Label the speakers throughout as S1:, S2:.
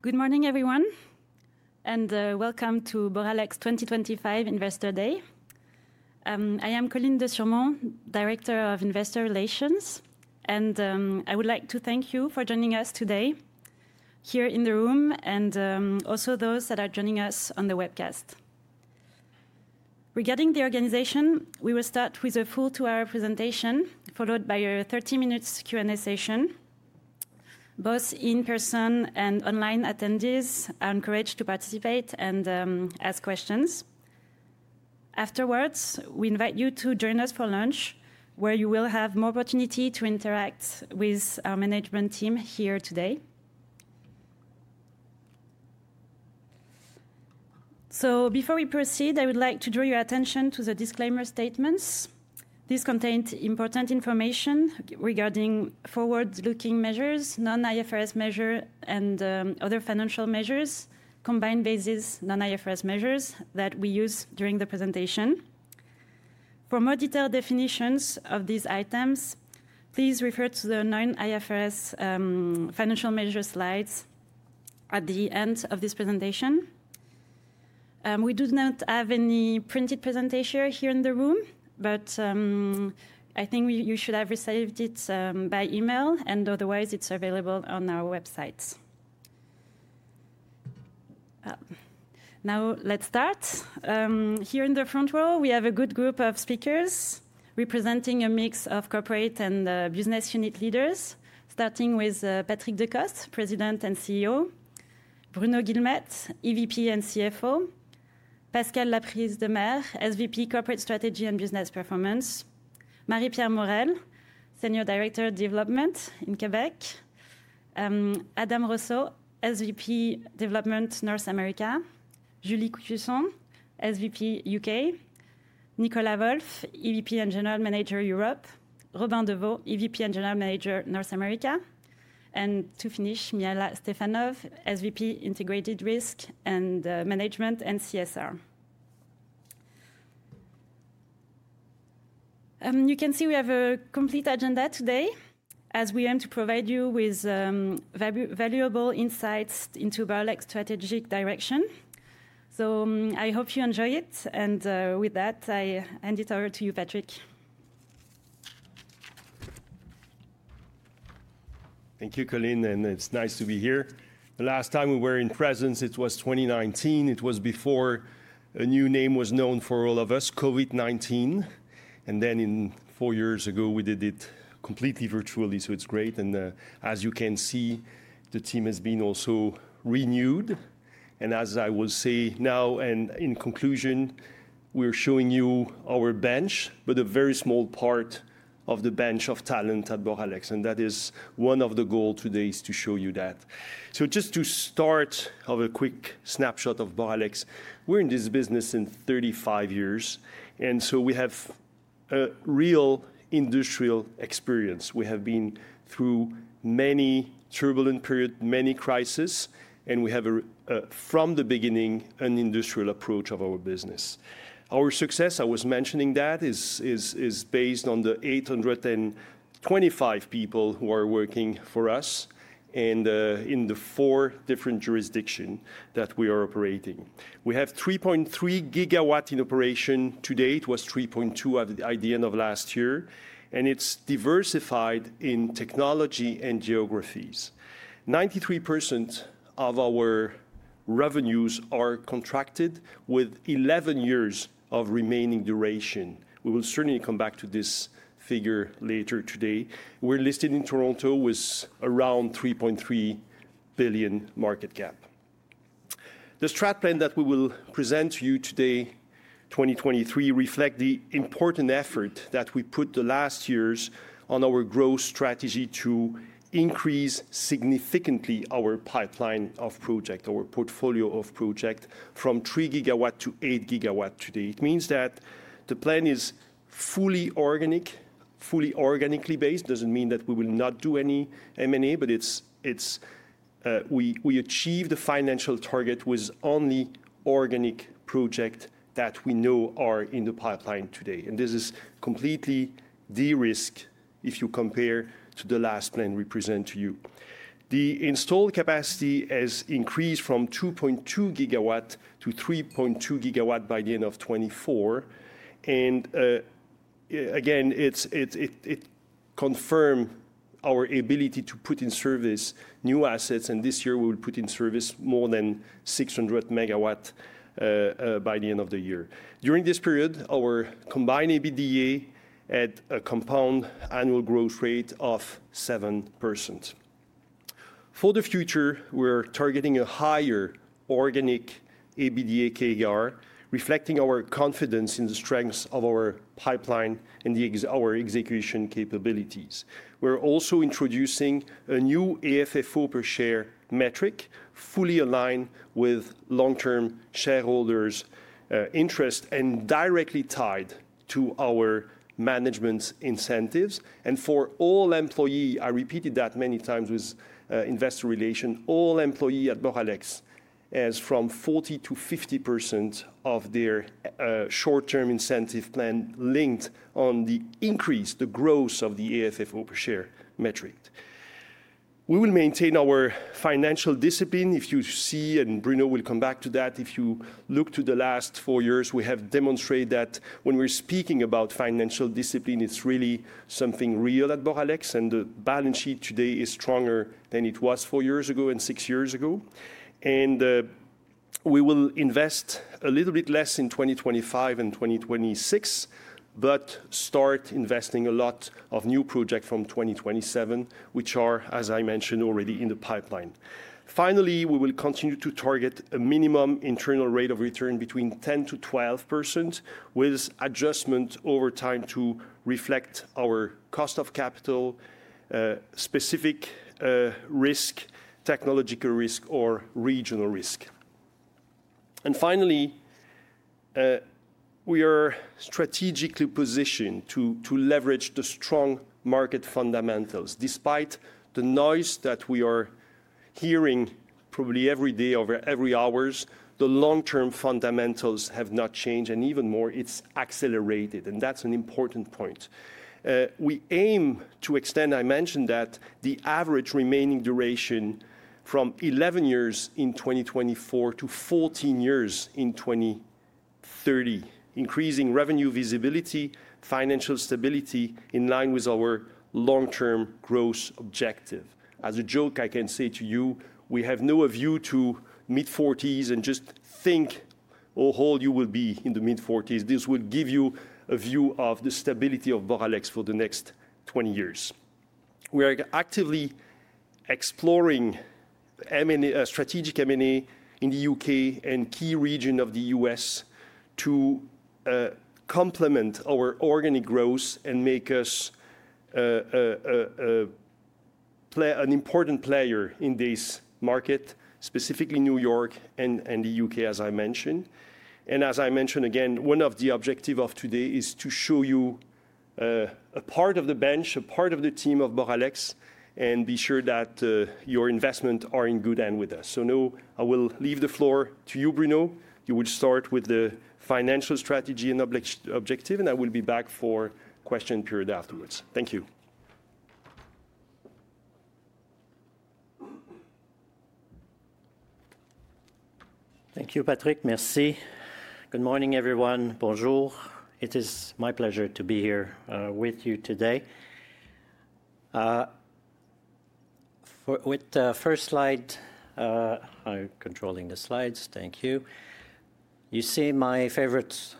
S1: Good morning, everyone, and welcome to Boralex 2025 Investor Day. I am Coline Desurmont, Director of Investor Relations, and I would like to thank you for joining us today here in the room and also those that are joining us on the webcast. Regarding the organization, we will start with a full two-hour presentation, followed by a 30-minute Q&A session. Both in-person and online attendees are encouraged to participate and ask questions. Afterwards, we invite you to join us for lunch, where you will have more opportunity to interact with our management team here today. Before we proceed, I would like to draw your attention to the disclaimer statements. These contain important information regarding forward-looking measures, non-IFRS measures, and other financial measures, combined basis non-IFRS measures that we use during the presentation. For more detailed definitions of these items, please refer to the non-IFRS financial measures slides at the end of this presentation. We do not have any printed presentation here in the room, but I think you should have received it by email, and otherwise it is available on our website. Now let's start. Here in the front row, we have a good group of speakers representing a mix of corporate and business unit leaders, starting with Patrick Decostre, President and CEO, Bruno Guilmette, EVP and CFO, Pascale Laprise-Demers, SVP, Corporate Strategy and Business Performance, Marie-Pierre Morel, Senior Director Development in Québec, Adam Rosso, SVP, Development North America, Julie Cusson, SVP, UK, Nicolas Wolff, EVP and General Manager Europe, Robin Deveaux, EVP and General Manager North America, and to finish, Mihaela Stefanov, SVP, Integrated Risk Management and CSR. You can see we have a complete agenda today, as we aim to provide you with valuable insights into Boralex's strategic direction. I hope you enjoy it, and with that, I hand it over to you, Patrick.
S2: Thank you, Coline, and it's nice to be here. The last time we were in presence, it was 2019. It was before a new name was known for all of us, COVID-19. Four years ago, we did it completely virtually, so it's great. As you can see, the team has been also renewed. As I will say now, and in conclusion, we're showing you our bench, but a very small part of the bench of talent at Boralex. That is one of the goals today is to show you that. Just to start, I'll have a quick snapshot of Boralex. We're in this business in 35 years, and so we have a real industrial experience. We have been through many turbulent periods, many crises, and we have, from the beginning, an industrial approach of our business. Our success, I was mentioning that, is based on the 825 people who are working for us in the four different jurisdictions that we are operating. We have 3.3 GW in operation today. It was 3.2 at the end of last year, and it's diversified in technology and geographies. 93% of our revenues are contracted with 11 years of remaining duration. We will certainly come back to this figure later today. We're listed in Toronto with around 3.3 billion market cap. The strat plan that we will present to you today, 2023, reflects the important effort that we put the last years on our growth strategy to increase significantly our pipeline of projects, our portfolio of projects from 3 GW to 8 GW today. It means that the plan is fully organic, fully organically based. It doesn't mean that we will not do any M&A, but we achieved the financial target with only organic projects that we know are in the pipeline today. This is completely de-risked if you compare to the last plan we presented to you. The installed capacity has increased from 2.2 GW to 3.2 GW by the end of 2024. It confirms our ability to put in service new assets. This year, we will put in service more than 600 MW by the end of the year. During this period, our combined EBITDA had a compound annual growth rate of 7%. For the future, we're targeting a higher organic EBITDA CAGR, reflecting our confidence in the strengths of our pipeline and our execution capabilities. We're also introducing a new AFFO per share metric, fully aligned with long-term shareholders' interest and directly tied to our management's incentives. For all employees, I repeated that many times with investor relations, all employees at Boralex have from 40%-50% of their short-term incentive plan linked on the increase, the growth of the AFFO per share metric. We will maintain our financial discipline. If you see, and Bruno will come back to that, if you look to the last four years, we have demonstrated that when we're speaking about financial discipline, it's really something real at Boralex. The balance sheet today is stronger than it was four years ago and six years ago. We will invest a little bit less in 2025 and 2026, but start investing a lot of new projects from 2027, which are, as I mentioned already, in the pipeline. Finally, we will continue to target a minimum internal rate of return between 10%-12% with adjustment over time to reflect our cost of capital, specific risk, technological risk, or regional risk. We are strategically positioned to leverage the strong market fundamentals. Despite the noise that we are hearing probably every day over every hour, the long-term fundamentals have not changed, and even more, it's accelerated. That's an important point. We aim to extend, I mentioned that, the average remaining duration from 11 years in 2024 to 14 years in 2030, increasing revenue visibility, financial stability in line with our long-term growth objective. As a joke, I can say to you, we have no view to mid-40s and just think, "Oh, old you will be in the mid-40s." This will give you a view of the stability of Boralex for the next 20 years. We are actively exploring strategic M&A in the U.K. and key regions of the U.S. to complement our organic growth and make us an important player in this market, specifically New York and the U.K., as I mentioned. As I mentioned again, one of the objectives of today is to show you a part of the bench, a part of the team of Boralex, and be sure that your investments are in good hands with us. Now I will leave the floor to you, Bruno. You will start with the financial strategy and objective, and I will be back for the question period afterwards. Thank you.
S3: Thank you, Patrick. Merci. Good morning, everyone. Bonjour. It is my pleasure to be here with you today. With the first slide, I'm controlling the slides. Thank you. You see my favorite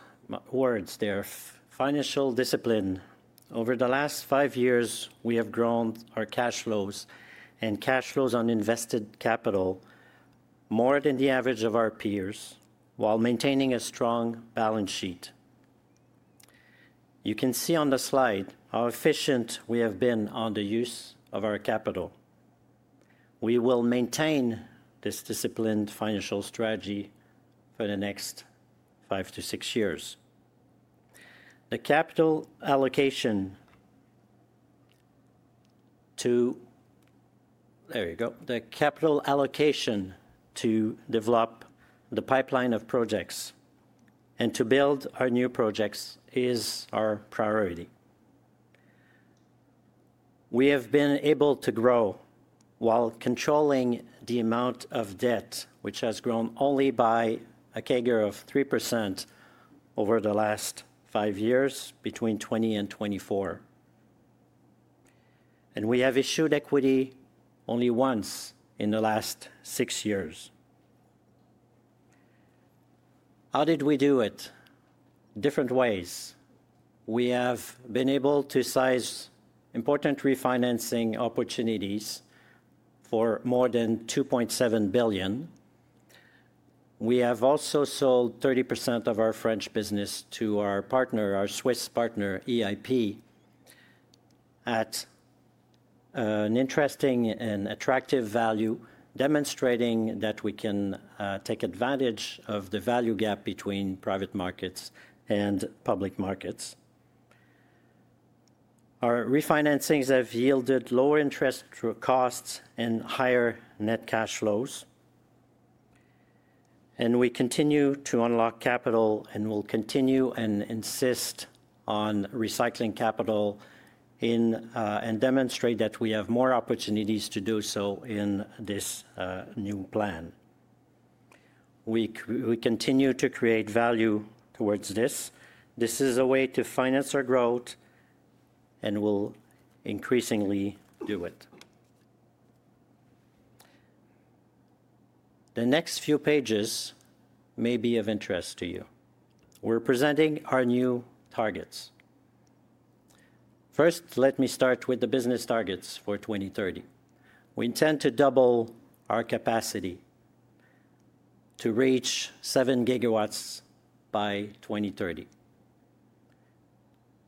S3: words there: financial discipline. Over the last five years, we have grown our cash flows and cash flows on invested capital more than the average of our peers while maintaining a strong balance sheet. You can see on the slide how efficient we have been on the use of our capital. We will maintain this disciplined financial strategy for the next five to six years. The capital allocation to—there you go. The capital allocation to develop the pipeline of projects and to build our new projects is our priority. We have been able to grow while controlling the amount of debt, which has grown only by a CAGR of 3% over the last five years, between 2020 and 2024. We have issued equity only once in the last six years. How did we do it? Different ways. We have been able to size important refinancing opportunities for more than 2.7 billion. We have also sold 30% of our French business to our partner, our Swiss partner, EIP, at an interesting and attractive value, demonstrating that we can take advantage of the value gap between private markets and public markets. Our refinancings have yielded lower interest costs and higher net cash flows. We continue to unlock capital and will continue and insist on recycling capital and demonstrate that we have more opportunities to do so in this new plan. We continue to create value towards this. This is a way to finance our growth and will increasingly do it. The next few pages may be of interest to you. We're presenting our new targets. First, let me start with the business targets for 2030. We intend to double our capacity to reach 7 GW by 2030.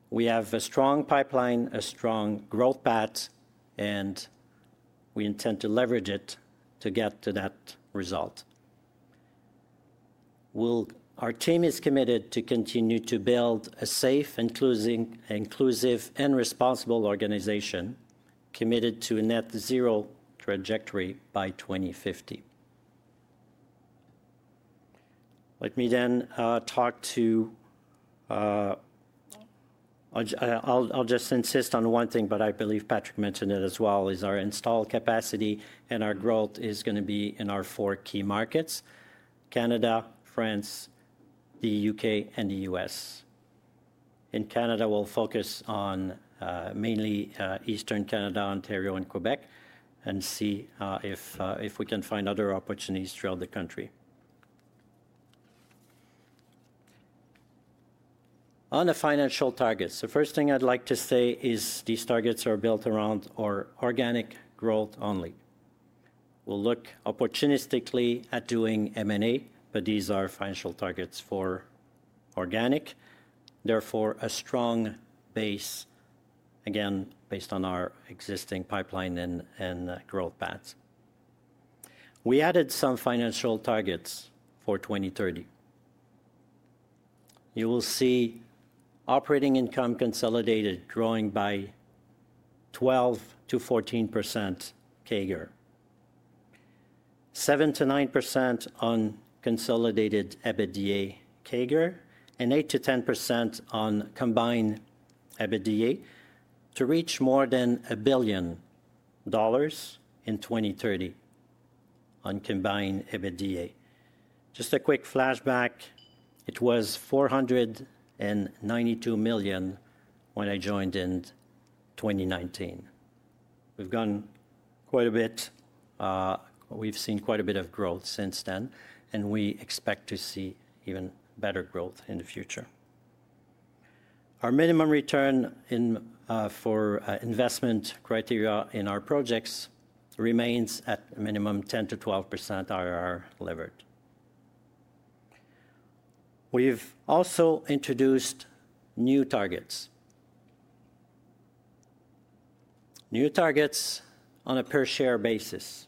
S3: We have a strong pipeline, a strong growth path, and we intend to leverage it to get to that result. Our team is committed to continue to build a safe, inclusive, and responsible organization committed to a net zero trajectory by 2050. Let me then talk to—I’ll just insist on one thing, but I believe Patrick mentioned it as well—is our installed capacity and our growth is going to be in our four key markets: Canada, France, the U.K., and the U.S. In Canada, we'll focus on mainly Eastern Canada, Ontario, and Québec, and see if we can find other opportunities throughout the country. On the financial targets, the first thing I'd like to say is these targets are built around organic growth only. We'll look opportunistically at doing M&A, but these are financial targets for organic. Therefore, a strong base, again, based on our existing pipeline and growth paths. We added some financial targets for 2030. You will see operating income consolidated, growing by 12%-14% CAGR, 7%-9% on consolidated EBITDA CAGR, and 8%-10% on combined EBITDA to reach more than 1 billion dollars in 2030 on combined EBITDA. Just a quick flashback, it was 492 million when I joined in 2019. We've gone quite a bit. We've seen quite a bit of growth since then, and we expect to see even better growth in the future. Our minimum return for investment criteria in our projects remains at a minimum of 10%-12% IRR levered. We've also introduced new targets. New targets on a per share basis.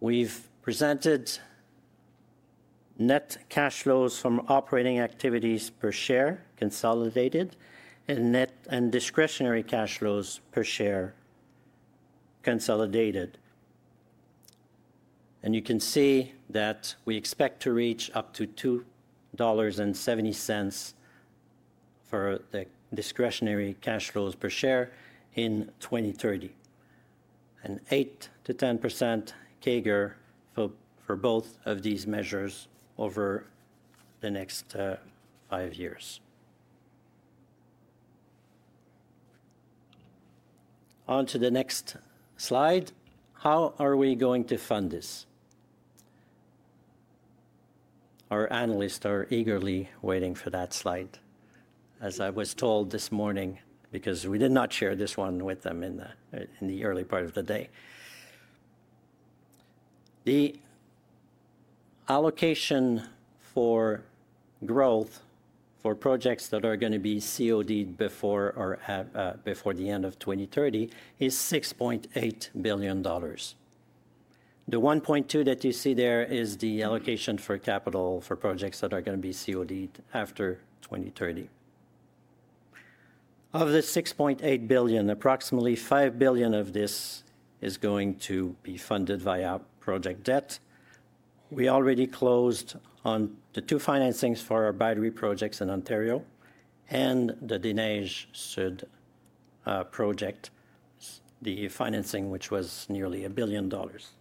S3: We've presented net cash flows from operating activities per share consolidated and discretionary cash flows per share consolidated. You can see that we expect to reach up to 2.70 dollars for the discretionary cash flows per share in 2030, and 8%-10% CAGR for both of these measures over the next five years. On to the next slide. How are we going to fund this? Our analysts are eagerly waiting for that slide, as I was told this morning, because we did not share this one with them in the early part of the day. The allocation for growth for projects that are going to be CODed before the end of 2030 is 6.8 billion dollars. The 1.2 that you see there is the allocation for capital for projects that are going to be CODed after 2030. Of the 6.8 billion, approximately 5 billion of this is going to be funded via project debt. We already closed on the two financings for our battery projects in Ontario and the Des Neiges Sud Project, the financing, which was nearly 1 billion dollars. Sorry.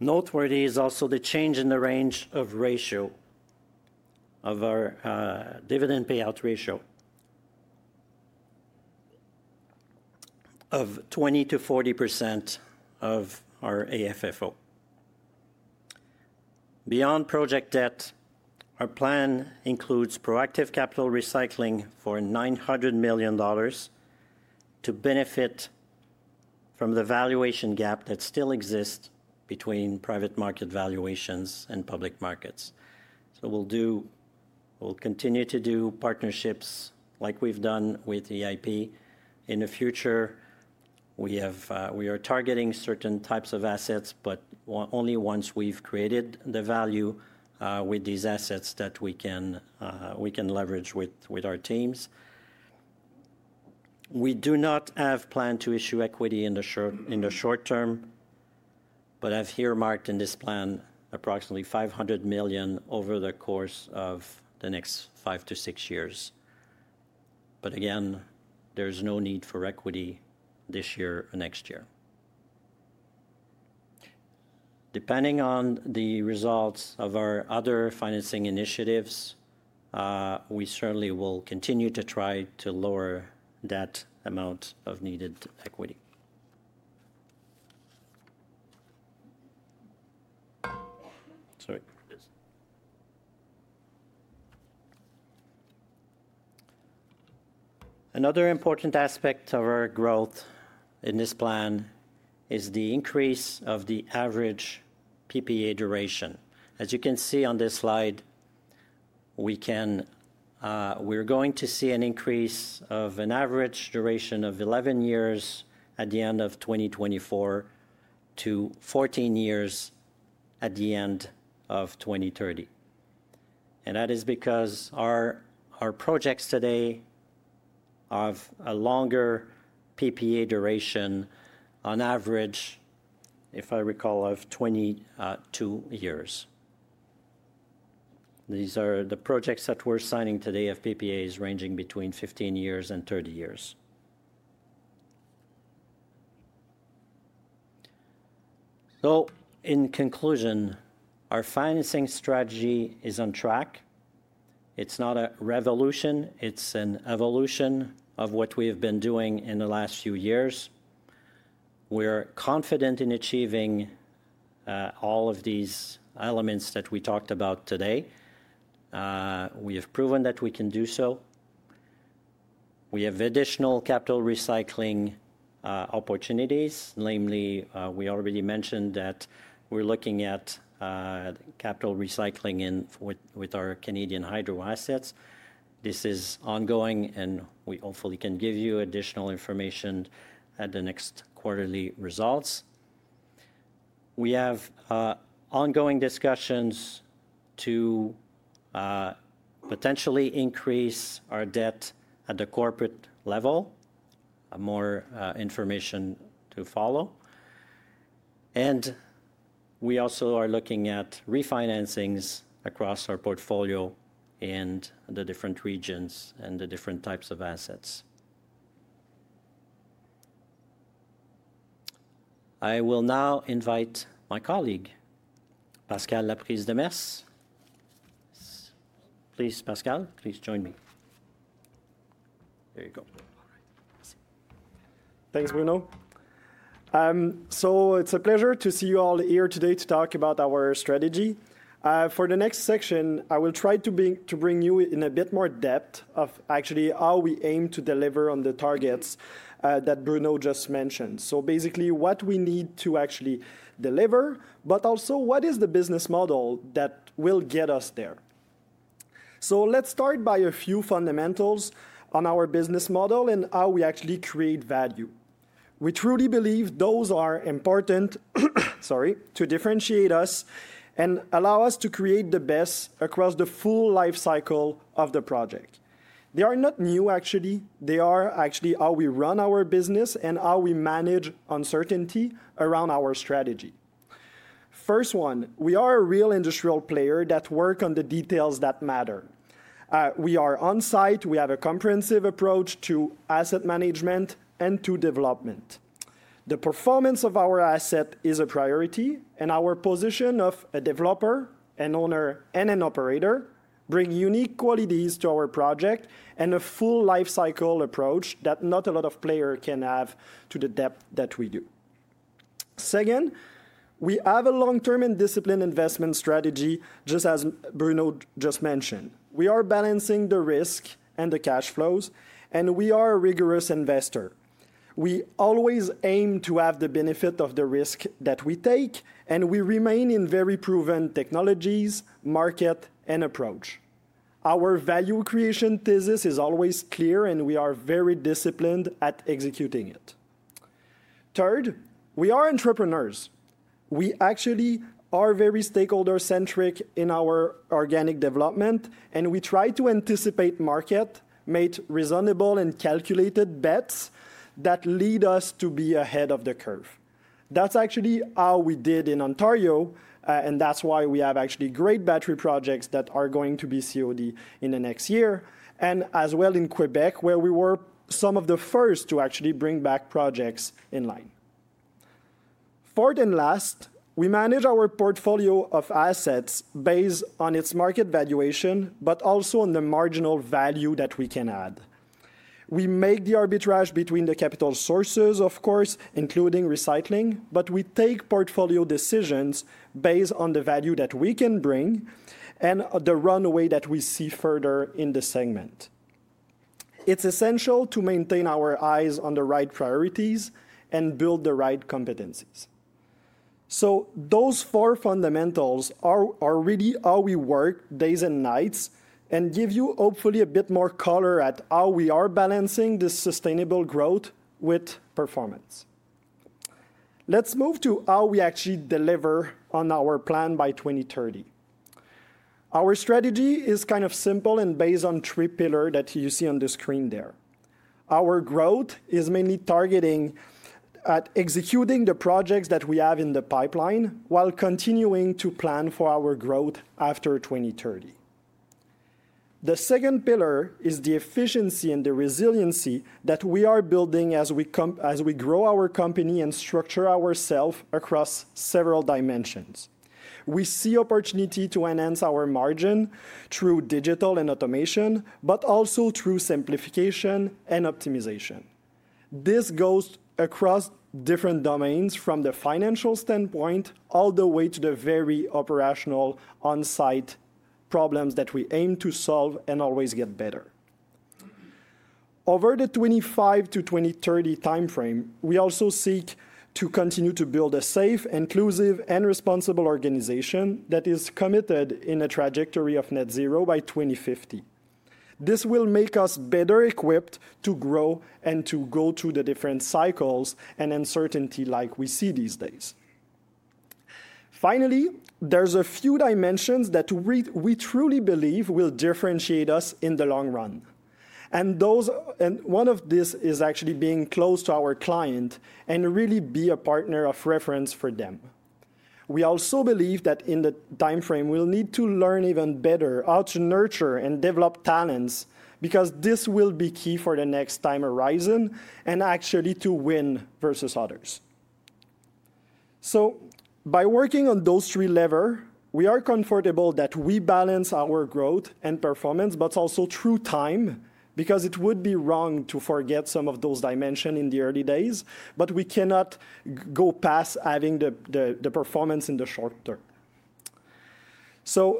S3: Noteworthy is also the change in the range of ratio of our dividend payout ratio of 20%-40% of our AFFO. Beyond project debt, our plan includes proactive capital recycling for 900 million dollars to benefit from the valuation gap that still exists between private market valuations and public markets. We'll continue to do partnerships like we've done with EIP in the future. We are targeting certain types of assets, but only once we've created the value with these assets that we can leverage with our teams. We do not have planned to issue equity in the short term, but I've here marked in this plan approximately 500 million over the course of the next five to six years. Again, there's no need for equity this year or next year. Depending on the results of our other financing initiatives, we certainly will continue to try to lower that amount of needed equity. Sorry. Another important aspect of our growth in this plan is the increase of the average PPA duration. As you can see on this slide, we're going to see an increase of an average duration of 11 years at the end of 2024 to 14 years at the end of 2030. That is because our projects today have a longer PPA duration on average, if I recall, of 22 years. These are the projects that we're signing today of PPAs ranging between 15 years-30 years. In conclusion, our financing strategy is on track. It's not a revolution. It's an evolution of what we have been doing in the last few years. We're confident in achieving all of these elements that we talked about today. We have proven that we can do so. We have additional capital recycling opportunities, namely, we already mentioned that we're looking at capital recycling with our Canadian hydro assets. This is ongoing, and we hopefully can give you additional information at the next quarterly results. We have ongoing discussions to potentially increase our debt at the corporate level. More information to follow. We also are looking at refinancings across our portfolio and the different regions and the different types of assets. I will now invite my colleague, Pascale Laprise-Demers. Please, Pascale, please join me. There you go.
S4: Thanks, Bruno. It's a pleasure to see you all here today to talk about our strategy. For the next section, I will try to bring you in a bit more depth of actually how we aim to deliver on the targets that Bruno just mentioned. Basically, what we need to actually deliver, but also what is the business model that will get us there. Let's start by a few fundamentals on our business model and how we actually create value. We truly believe those are important, sorry, to differentiate us and allow us to create the best across the full life cycle of the project. They are not new, actually. They are actually how we run our business and how we manage uncertainty around our strategy. First one, we are a real industrial player that works on the details that matter. We are on-site. We have a comprehensive approach to asset management and to development. The performance of our asset is a priority, and our position of a developer, an owner, and an operator brings unique qualities to our project and a full life cycle approach that not a lot of players can have to the depth that we do. Second, we have a long-term and disciplined investment strategy, just as Bruno just mentioned. We are balancing the risk and the cash flows, and we are a rigorous investor. We always aim to have the benefit of the risk that we take, and we remain in very proven technologies, market, and approach. Our value creation thesis is always clear, and we are very disciplined at executing it. Third, we are entrepreneurs. We actually are very stakeholder-centric in our organic development, and we try to anticipate market-made reasonable and calculated bets that lead us to be ahead of the curve. That is actually how we did in Ontario, and that is why we have actually great battery projects that are going to be COD in the next year, and as well in Québec, where we were some of the first to actually bring back projects in line. Fourth and last, we manage our portfolio of assets based on its market valuation, but also on the marginal value that we can add. We make the arbitrage between the capital sources, of course, including recycling, but we take portfolio decisions based on the value that we can bring and the runway that we see further in the segment. It is essential to maintain our eyes on the right priorities and build the right competencies. Those four fundamentals are really how we work day and night and give you hopefully a bit more color at how we are balancing this sustainable growth with performance. Let's move to how we actually deliver on our plan by 2030. Our strategy is kind of simple and based on three pillars that you see on the screen there. Our growth is mainly targeting at executing the projects that we have in the pipeline while continuing to plan for our growth after 2030. The second pillar is the efficiency and the resiliency that we are building as we grow our company and structure ourselves across several dimensions. We see opportunity to enhance our margin through digital and automation, but also through simplification and optimization. This goes across different domains from the financial standpoint all the way to the very operational on-site problems that we aim to solve and always get better. Over the 2025 to 2030 timeframe, we also seek to continue to build a safe, inclusive, and responsible organization that is committed to a trajectory of net zero by 2050. This will make us better equipped to grow and to go through the different cycles and uncertainty like we see these days. Finally, there are a few dimensions that we truly believe will differentiate us in the long run. One of these is actually being close to our client and really be a partner of reference for them. We also believe that in the timeframe, we'll need to learn even better how to nurture and develop talents because this will be key for the next time horizon and actually to win versus others. By working on those three levers, we are comfortable that we balance our growth and performance, but also through time because it would be wrong to forget some of those dimensions in the early days, but we cannot go past having the performance in the short term.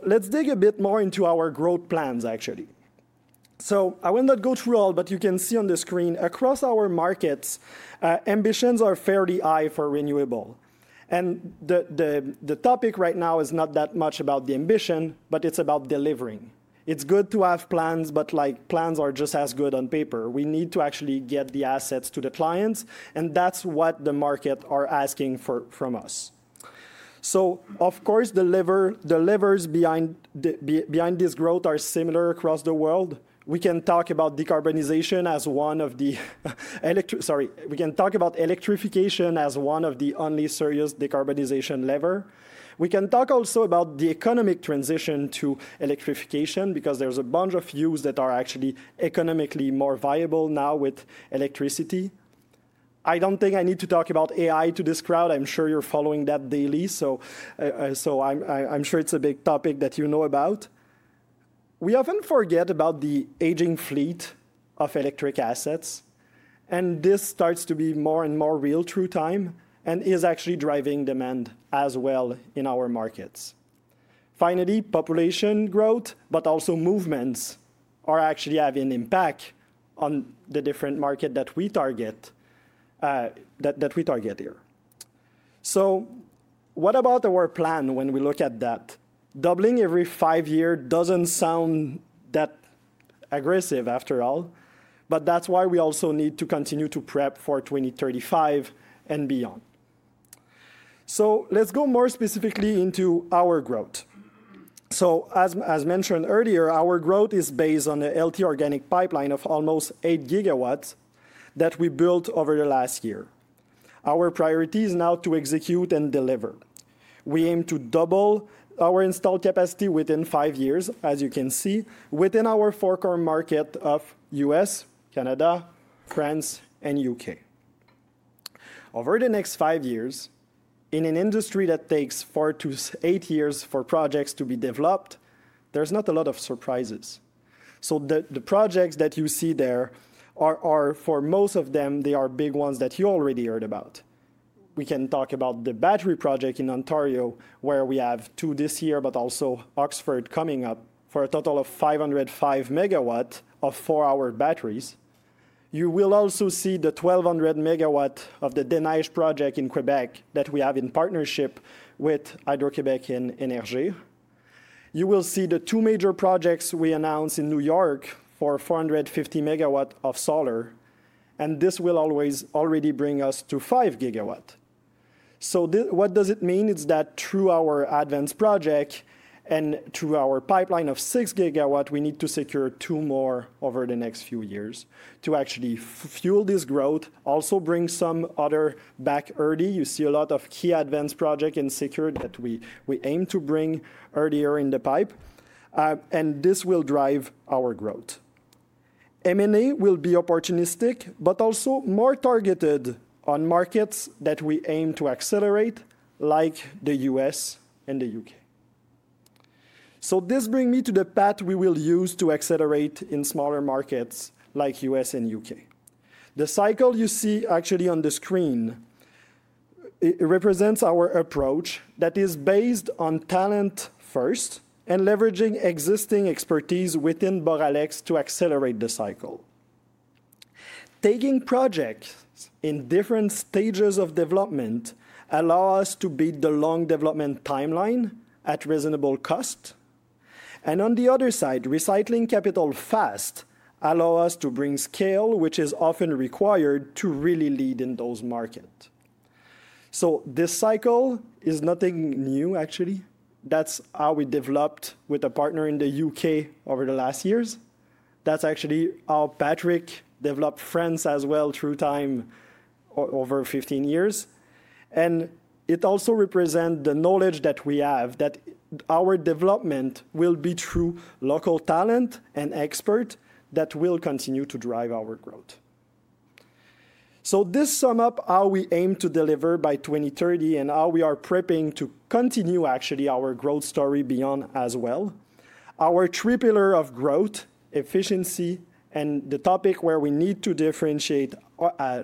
S4: Let's dig a bit more into our growth plans, actually. I will not go through all, but you can see on the screen across our markets, ambitions are fairly high for renewable. The topic right now is not that much about the ambition, but it's about delivering. It's good to have plans, but plans are just as good on paper. We need to actually get the assets to the clients, and that's what the market is asking from us. Of course, the levers behind this growth are similar across the world. We can talk about decarbonization as one of the—sorry, we can talk about electrification as one of the only serious decarbonization levers. We can talk also about the economic transition to electrification because there's a bunch of fuels that are actually economically more viable now with electricity. I don't think I need to talk about AI to this crowd. I'm sure you're following that daily, so I'm sure it's a big topic that you know about. We often forget about the aging fleet of electric assets, and this starts to be more and more real through time and is actually driving demand as well in our markets. Finally, population growth, but also movements are actually having an impact on the different markets that we target here. What about our plan when we look at that? Doubling every five years does not sound that aggressive after all, but that is why we also need to continue to prep for 2035 and beyond. Let us go more specifically into our growth. As mentioned earlier, our growth is based on the LT organic pipeline of almost 8 GW that we built over the last year. Our priority is now to execute and deliver. We aim to double our installed capacity within five years, as you can see, within our four-core market of the U.S., Canada, France, and the U.K. Over the next five years, in an industry that takes four to eight years for projects to be developed, there is not a lot of surprises. The projects that you see there are, for most of them, big ones that you already heard about. We can talk about the battery project in Ontario, where we have two this year, but also Oxford coming up for a total of 505 MW of four-hour batteries. You will also see the 1,200 MW of the Des Neiges project in Québec that we have in partnership with Hydro-Québec and Énergir. You will see the two major projects we announced in New York for 450 MW of solar, and this will already bring us to 5 GW. What does it mean? It's that through our advanced project and through our pipeline of 6 GW, we need to secure two more over the next few years to actually fuel this growth, also bring some others back early. You see a lot of key advanced projects in secure that we aim to bring earlier in the pipe, and this will drive our growth. M&A will be opportunistic, but also more targeted on markets that we aim to accelerate, like the U.S. and the U.K. This brings me to the path we will use to accelerate in smaller markets like the U.S. and the U.K. The cycle you see actually on the screen represents our approach that is based on talent first and leveraging existing expertise within Boralex to accelerate the cycle. Taking projects in different stages of development allows us to beat the long development timeline at reasonable cost. On the other side, recycling capital fast allows us to bring scale, which is often required to really lead in those markets. This cycle is nothing new, actually. That's how we developed with a partner in the U.K. over the last years. That's actually how Patrick developed friends as well through time over 15 years. It also represents the knowledge that we have that our development will be through local talent and experts that will continue to drive our growth. This sums up how we aim to deliver by 2030 and how we are prepping to continue actually our growth story beyond as well. Our three pillar of growth, efficiency, and the topic where we need to differentiate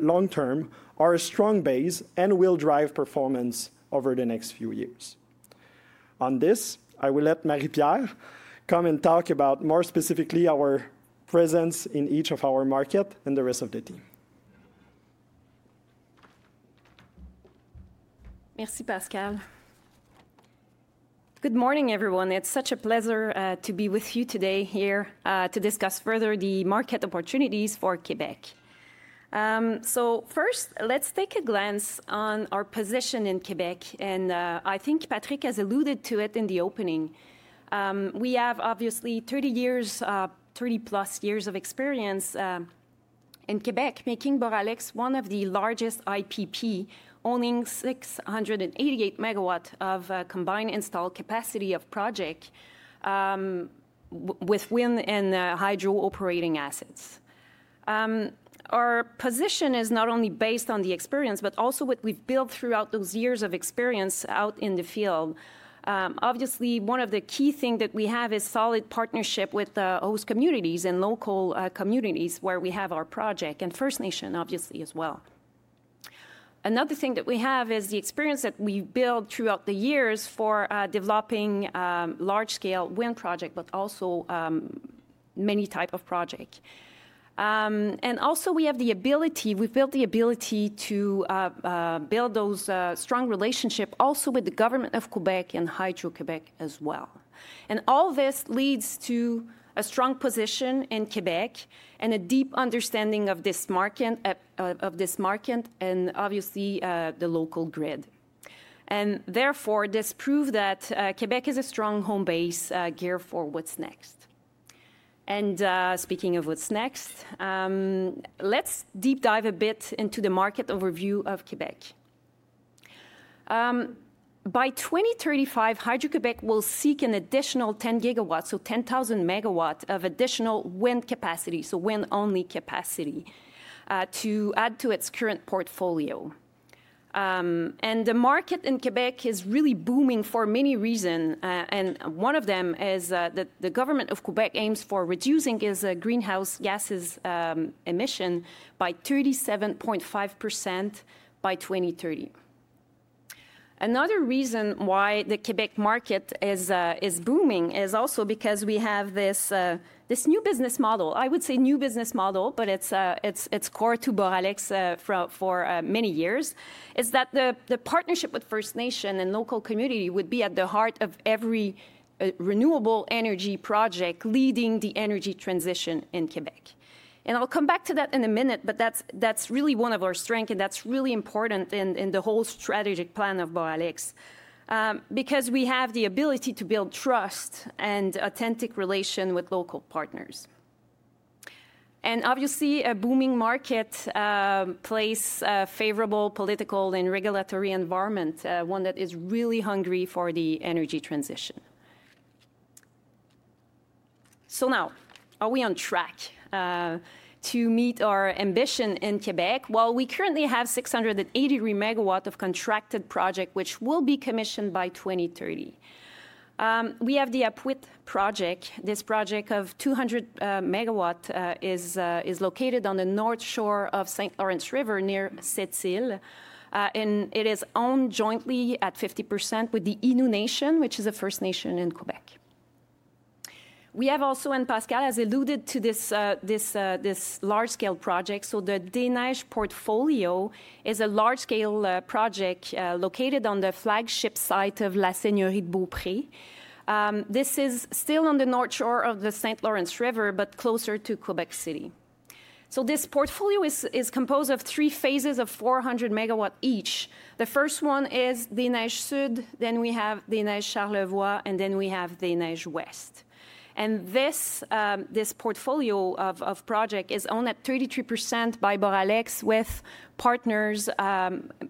S4: long-term are a strong base and will drive performance over the next few years. On this, I will let Marie-Pierre come and talk about more specifically our presence in each of our markets and the rest of the team.
S5: Merci, Pascale. Good morning, everyone. It's such a pleasure to be with you today here to discuss further the market opportunities for Québec. First, let's take a glance on our position in Québec, and I think Patrick has alluded to it in the opening. We have obviously 30 years, 30+ years of experience in Québec, making Boralex one of the largest IPP owning 688 MW of combined installed capacity of project with wind and hydro-operating assets. Our position is not only based on the experience, but also what we've built throughout those years of experience out in the field. Obviously, one of the key things that we have is solid partnership with those communities and local communities where we have our project and First Nation, obviously, as well. Another thing that we have is the experience that we've built throughout the years for developing large-scale wind projects, but also many types of projects. Also, we have the ability, we've built the ability to build those strong relationships also with the government of Québec and Hydro-Québec as well. All this leads to a strong position in Québec and a deep understanding of this market and obviously the local grid. Therefore, this proves that Québec is a strong home base geared for what's next. Speaking of what's next, let's deep dive a bit into the market overview of Québec. By 2035, Hydro-Québec will seek an additional 10 GW, so 10,000 MW of additional wind capacity, so wind-only capacity, to add to its current portfolio. The market in Québec is really booming for many reasons, and one of them is that the government of Québec aims for reducing its greenhouse gas emissions by 37.5% by 2030. Another reason why the Québec market is booming is also because we have this new business model. I would say new business model, but it's core to Boralex for many years, is that the partnership with First Nation and local community would be at the heart of every renewable energy project leading the energy transition in Québec. I'll come back to that in a minute, but that's really one of our strengths, and that's really important in the whole strategic plan of Boralex because we have the ability to build trust and authentic relations with local partners. Obviously, a booming market plays a favorable political and regulatory environment, one that is really hungry for the energy transition. Now, are we on track to meet our ambition in Québec? We currently have 683 MW of contracted projects, which will be commissioned by 2030. We have the Apuiat project. This project of 200 MW is located on the north shore of the St. Lawrence River near Sept-Îles, and it is owned jointly at 50% with the Innu Nation, which is a First Nation in Québec. We have also, and Pascale has alluded to this large-scale project, the Des Neiges portfolio, which is a large-scale project located on the flagship site of La Seigneurie de Beaupré. This is still on the north shore of the St. Lawrence River, but closer to Québec City. This portfolio is composed of three phases of 400 MW each. The first one is Des Neiges Sud, then we have Des Neiges Charlevoix, and then we have Des Neiges Ouest. This portfolio of projects is owned at 33% by Boralex with partners,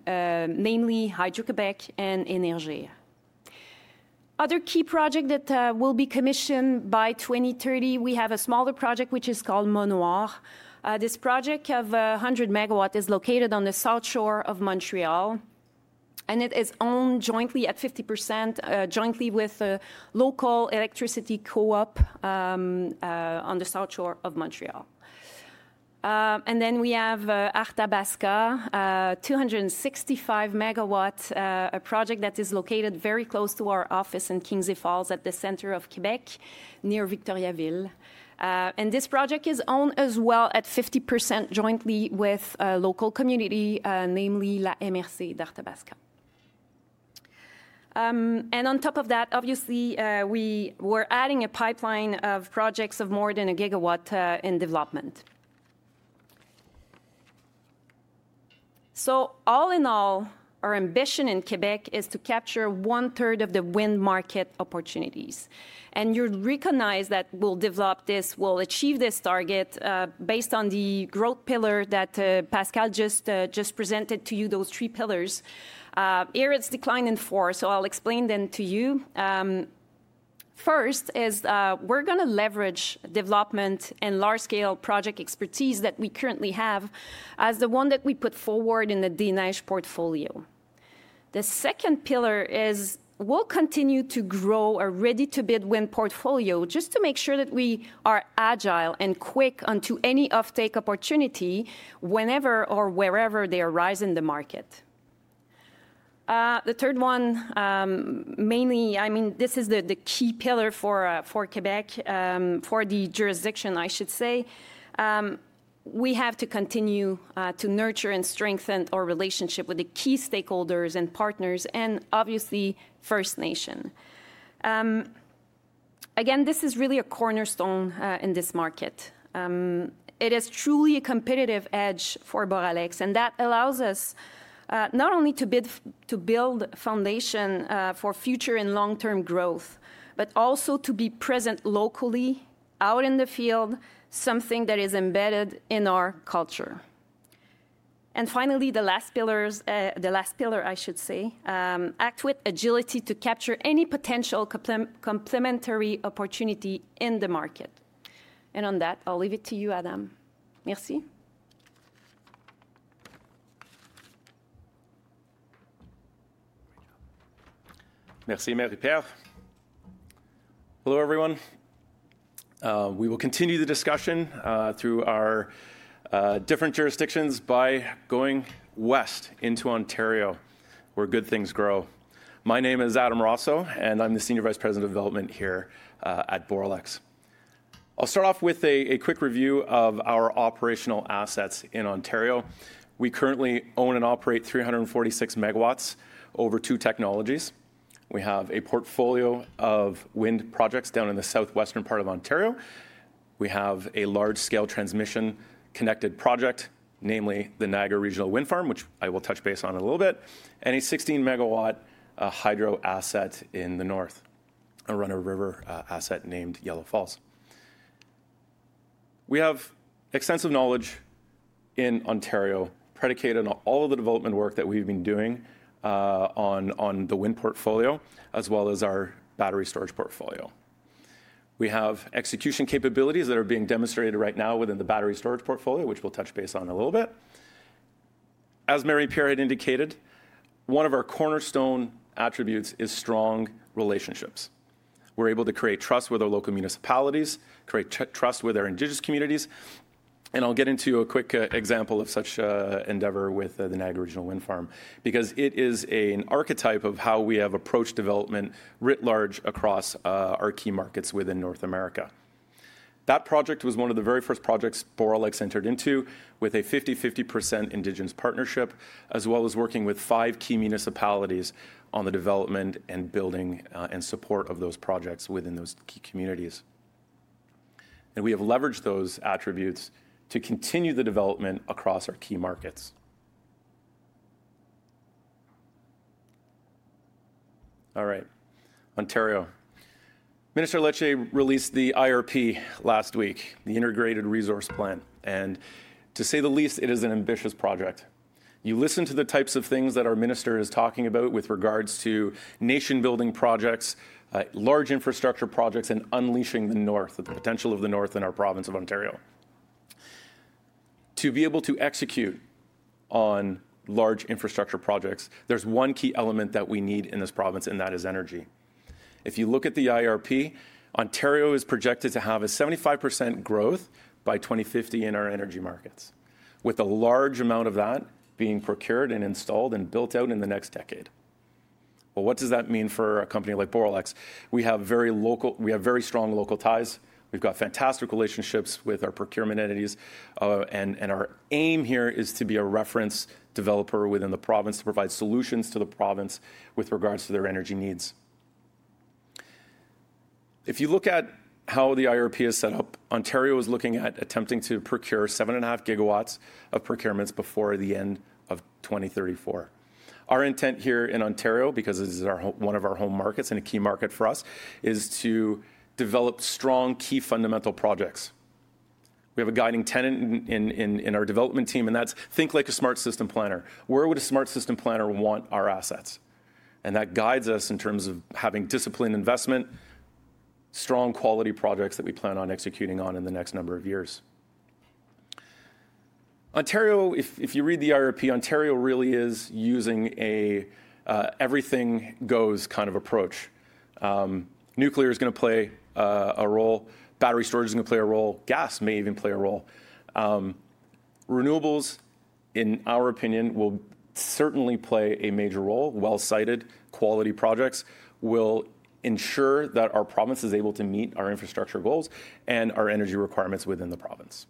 S5: namely Hydro-Québec and Énergir. Other key projects that will be commissioned by 2030, we have a smaller project which is called Monnoir. This project of 100 MW is located on the south shore of Montreal, and it is owned jointly at 50%, jointly with a local electricity co-op on the south shore of Montreal. We have Arthabaska, 265 MW, a project that is located very close to our office in Kingsey Falls at the center of Québec, near Victoriaville. This project is owned as well at 50% jointly with a local community, namely La MRC d'Arthabaska. On top of that, obviously, we were adding a pipeline of projects of more than a gigawatt in development. All in all, our ambition in Québec is to capture one-third of the wind market opportunities. You recognize that we'll develop this, we'll achieve this target based on the growth pillar that Pascale just presented to you, those three pillars. Here it's declined in four, so I'll explain them to you. First is we're going to leverage development and large-scale project expertise that we currently have as the one that we put forward in the Des Neiges portfolio. The second pillar is we'll continue to grow a ready-to-build wind portfolio just to make sure that we are agile and quick onto any off-take opportunity whenever or wherever they arise in the market. The third one, mainly, I mean, this is the key pillar for Québec, for the jurisdiction, I should say. We have to continue to nurture and strengthen our relationship with the key stakeholders and partners, and obviously, First Nation. Again, this is really a cornerstone in this market. It is truly a competitive edge for Boralex, and that allows us not only to build foundation for future and long-term growth, but also to be present locally out in the field, something that is embedded in our culture. Finally, the last pillar, I should say, act with agility to capture any potential complementary opportunity in the market. On that, I'll leave it to you, Adam. Merci.
S6: Merci, Marie-Pierre. Hello, everyone. We will continue the discussion through our different jurisdictions by going west into Ontario, where good things grow. My name is Adam Rosso, and I'm the Senior Vice President of Development here at Boralex. I'll start off with a quick review of our operational assets in Ontario. We currently own and operate 346 MW over two technologies. We have a portfolio of wind projects down in the southwestern part of Ontario. We have a large-scale transmission-connected project, namely the Niagara Regional Wind Farm, which I will touch base on a little bit, and a 16-MW hydro asset in the north, a run-of-river asset named Yellow Falls. We have extensive knowledge in Ontario, predicated on all of the development work that we've been doing on the wind portfolio, as well as our battery storage portfolio. We have execution capabilities that are being demonstrated right now within the battery storage portfolio, which we'll touch base on a little bit. As Marie-Pierre had indicated, one of our cornerstone attributes is strong relationships. We're able to create trust with our local municipalities, create trust with our Indigenous communities. I'll get into a quick example of such an endeavor with the Niagara Regional Wind Farm because it is an archetype of how we have approached development writ large across our key markets within North America. That project was one of the very first projects Boralex entered into with a 50-50% Indigenous partnership, as well as working with five key municipalities on the development and building and support of those projects within those key communities. We have leveraged those attributes to continue the development across our key markets. All right, Ontario. Minister Lecce released the IRP last week, the Integrated Resource Plan. To say the least, it is an ambitious project. You listen to the types of things that our minister is talking about with regards to nation-building projects, large infrastructure projects, and unleashing the north, the potential of the north in our province of Ontario. To be able to execute on large infrastructure projects, there is one key element that we need in this province, and that is energy. If you look at the IRP, Ontario is projected to have a 75% growth by 2050 in our energy markets, with a large amount of that being procured and installed and built out in the next decade. What does that mean for a company like Boralex? We have very strong local ties. We've got fantastic relationships with our procurement entities, and our aim here is to be a reference developer within the province to provide solutions to the province with regards to their energy needs. If you look at how the IRP is set up, Ontario is looking at attempting to procure 7.5 GW of procurements before the end of 2034. Our intent here in Ontario, because this is one of our home markets and a key market for us, is to develop strong key fundamental projects. We have a guiding tenet in our development team, and that's think like a smart system planner. Where would a smart system planner want our assets? That guides us in terms of having disciplined investment, strong quality projects that we plan on executing on in the next number of years. Ontario, if you read the IRP, Ontario really is using an everything-goes kind of approach. Nuclear is going to play a role. Battery storage is going to play a role. Gas may even play a role. Renewables, in our opinion, will certainly play a major role. Well-sited quality projects will ensure that our province is able to meet our infrastructure goals and our energy requirements within the province.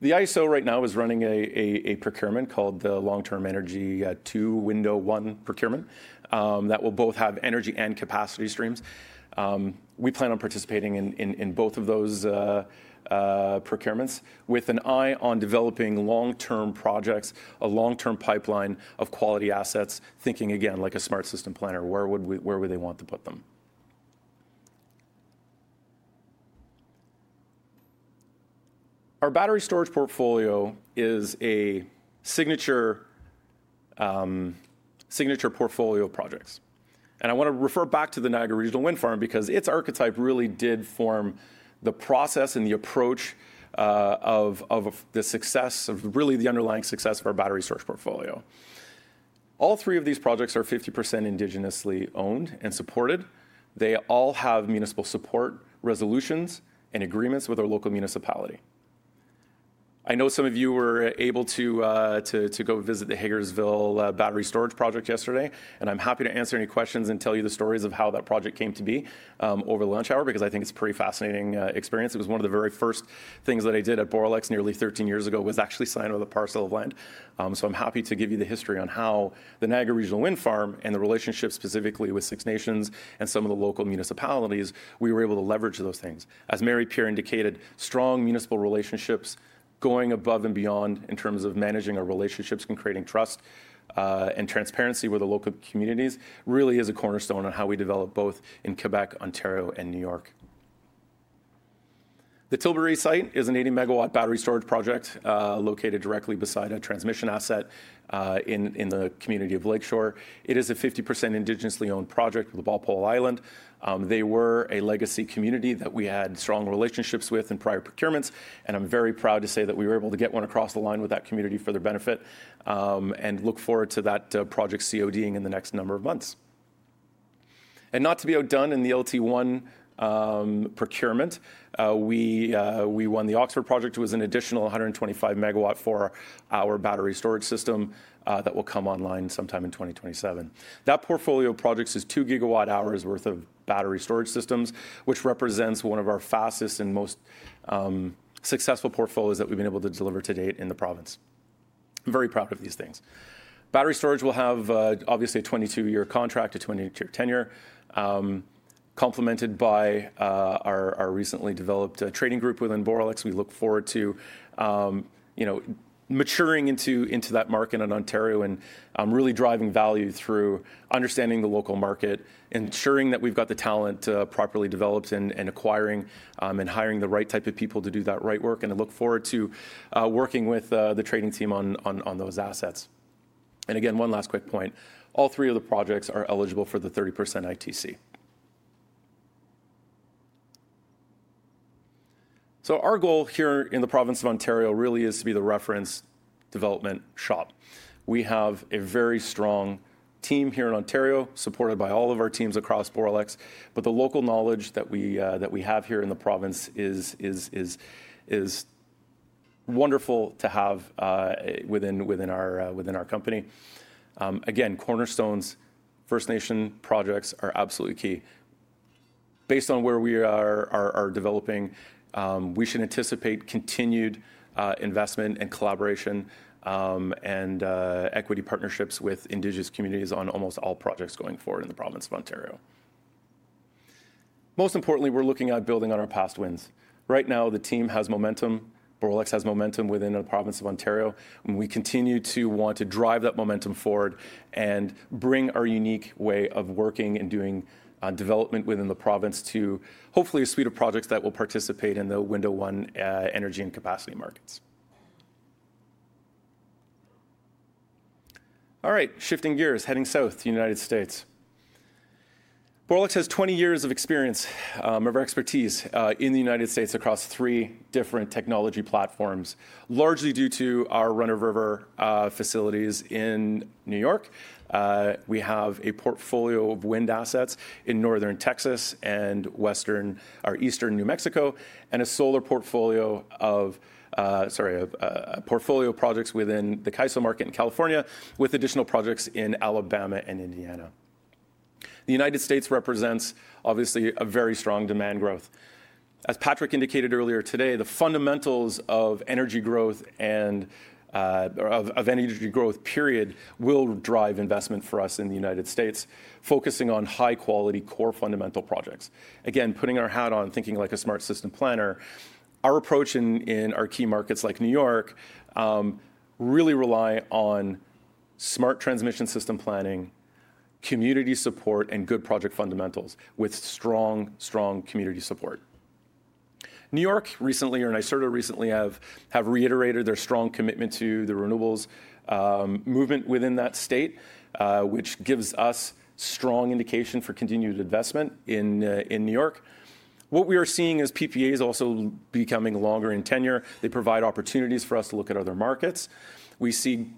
S6: The IESO right now is running a procurement called the Long-Term Energy 2 Window 1 procurement that will both have energy and capacity streams. We plan on participating in both of those procurements with an eye on developing long-term projects, a long-term pipeline of quality assets, thinking again like a smart system planner. Where would they want to put them? Our battery storage portfolio is a signature portfolio of projects. I want to refer back to the Niagara Regional Wind Farm because its archetype really did form the process and the approach of the success, of really the underlying success, of our battery storage portfolio. All three of these projects are 50% Indigenously owned and supported. They all have municipal support, resolutions, and agreements with our local municipality. I know some of you were able to go visit the Hagersville battery storage project yesterday, and I'm happy to answer any questions and tell you the stories of how that project came to be over lunch hour because I think it's a pretty fascinating experience. It was one of the very first things that I did at Boralex nearly 13 years ago was actually sign with a parcel of land. I'm happy to give you the history on how the Niagara Regional Wind Farm and the relationship specifically with Six Nations and some of the local municipalities, we were able to leverage those things. As Marie-Pierre indicated, strong municipal relationships, going above and beyond in terms of managing our relationships and creating trust and transparency with the local communities, really is a cornerstone on how we develop both in Québec, Ontario, and New York. The Tilbury site is an 80 MW battery storage project located directly beside a transmission asset in the community of Lakeshore. It is a 50% Indigenously owned project with Walpole Island. They were a legacy community that we had strong relationships with in prior procurements, and I'm very proud to say that we were able to get one across the line with that community for their benefit and look forward to that project CODing in the next number of months. Not to be outdone, in the LT1 procurement, we won the Oxford project, which was an additional 125 MW for our battery storage system that will come online sometime in 2027. That portfolio of projects is 2 GWh worth of battery storage systems, which represents one of our fastest and most successful portfolios that we've been able to deliver to date in the province. Very proud of these things. Battery storage will have obviously a 22-year contract, a 22-year tenure, complemented by our recently developed trading group within Boralex. We look forward to maturing into that market in Ontario and really driving value through understanding the local market, ensuring that we've got the talent properly developed and acquiring and hiring the right type of people to do that right work. I look forward to working with the trading team on those assets. One last quick point. All three of the projects are eligible for the 30% ITC. Our goal here in the province of Ontario really is to be the reference development shop. We have a very strong team here in Ontario, supported by all of our teams across Boralex, but the local knowledge that we have here in the province is wonderful to have within our company. Again, cornerstones, First Nation projects are absolutely key. Based on where we are developing, we should anticipate continued investment and collaboration and equity partnerships with Indigenous communities on almost all projects going forward in the province of Ontario. Most importantly, we're looking at building on our past wins. Right now, the team has momentum. Boralex has momentum within the province of Ontario. We continue to want to drive that momentum forward and bring our unique way of working and doing development within the province to hopefully a suite of projects that will participate in the Window I energy and capacity markets. All right, shifting gears, heading south to the United States. Boralex has 20 years of experience of expertise in the United States across three different technology platforms, largely due to our run-of-river facilities in New York. We have a portfolio of wind assets in northern Texas and eastern New Mexico and a solar portfolio of, sorry, a portfolio of projects within the CAISO market in California, with additional projects in Alabama and Indiana. The United States represents, obviously, a very strong demand growth. As Patrick indicated earlier today, the fundamentals of energy growth and of energy growth period will drive investment for us in the United States, focusing on high-quality core fundamental projects. Again, putting our hat on, thinking like a smart system planner, our approach in our key markets like New York really relies on smart transmission system planning, community support, and good project fundamentals with strong, strong community support. New York recently, or NYSERDA recently, have reiterated their strong commitment to the renewables movement within that state, which gives us strong indication for continued investment in New York. What we are seeing is PPAs also becoming longer in tenure. They provide opportunities for us to look at other markets. We see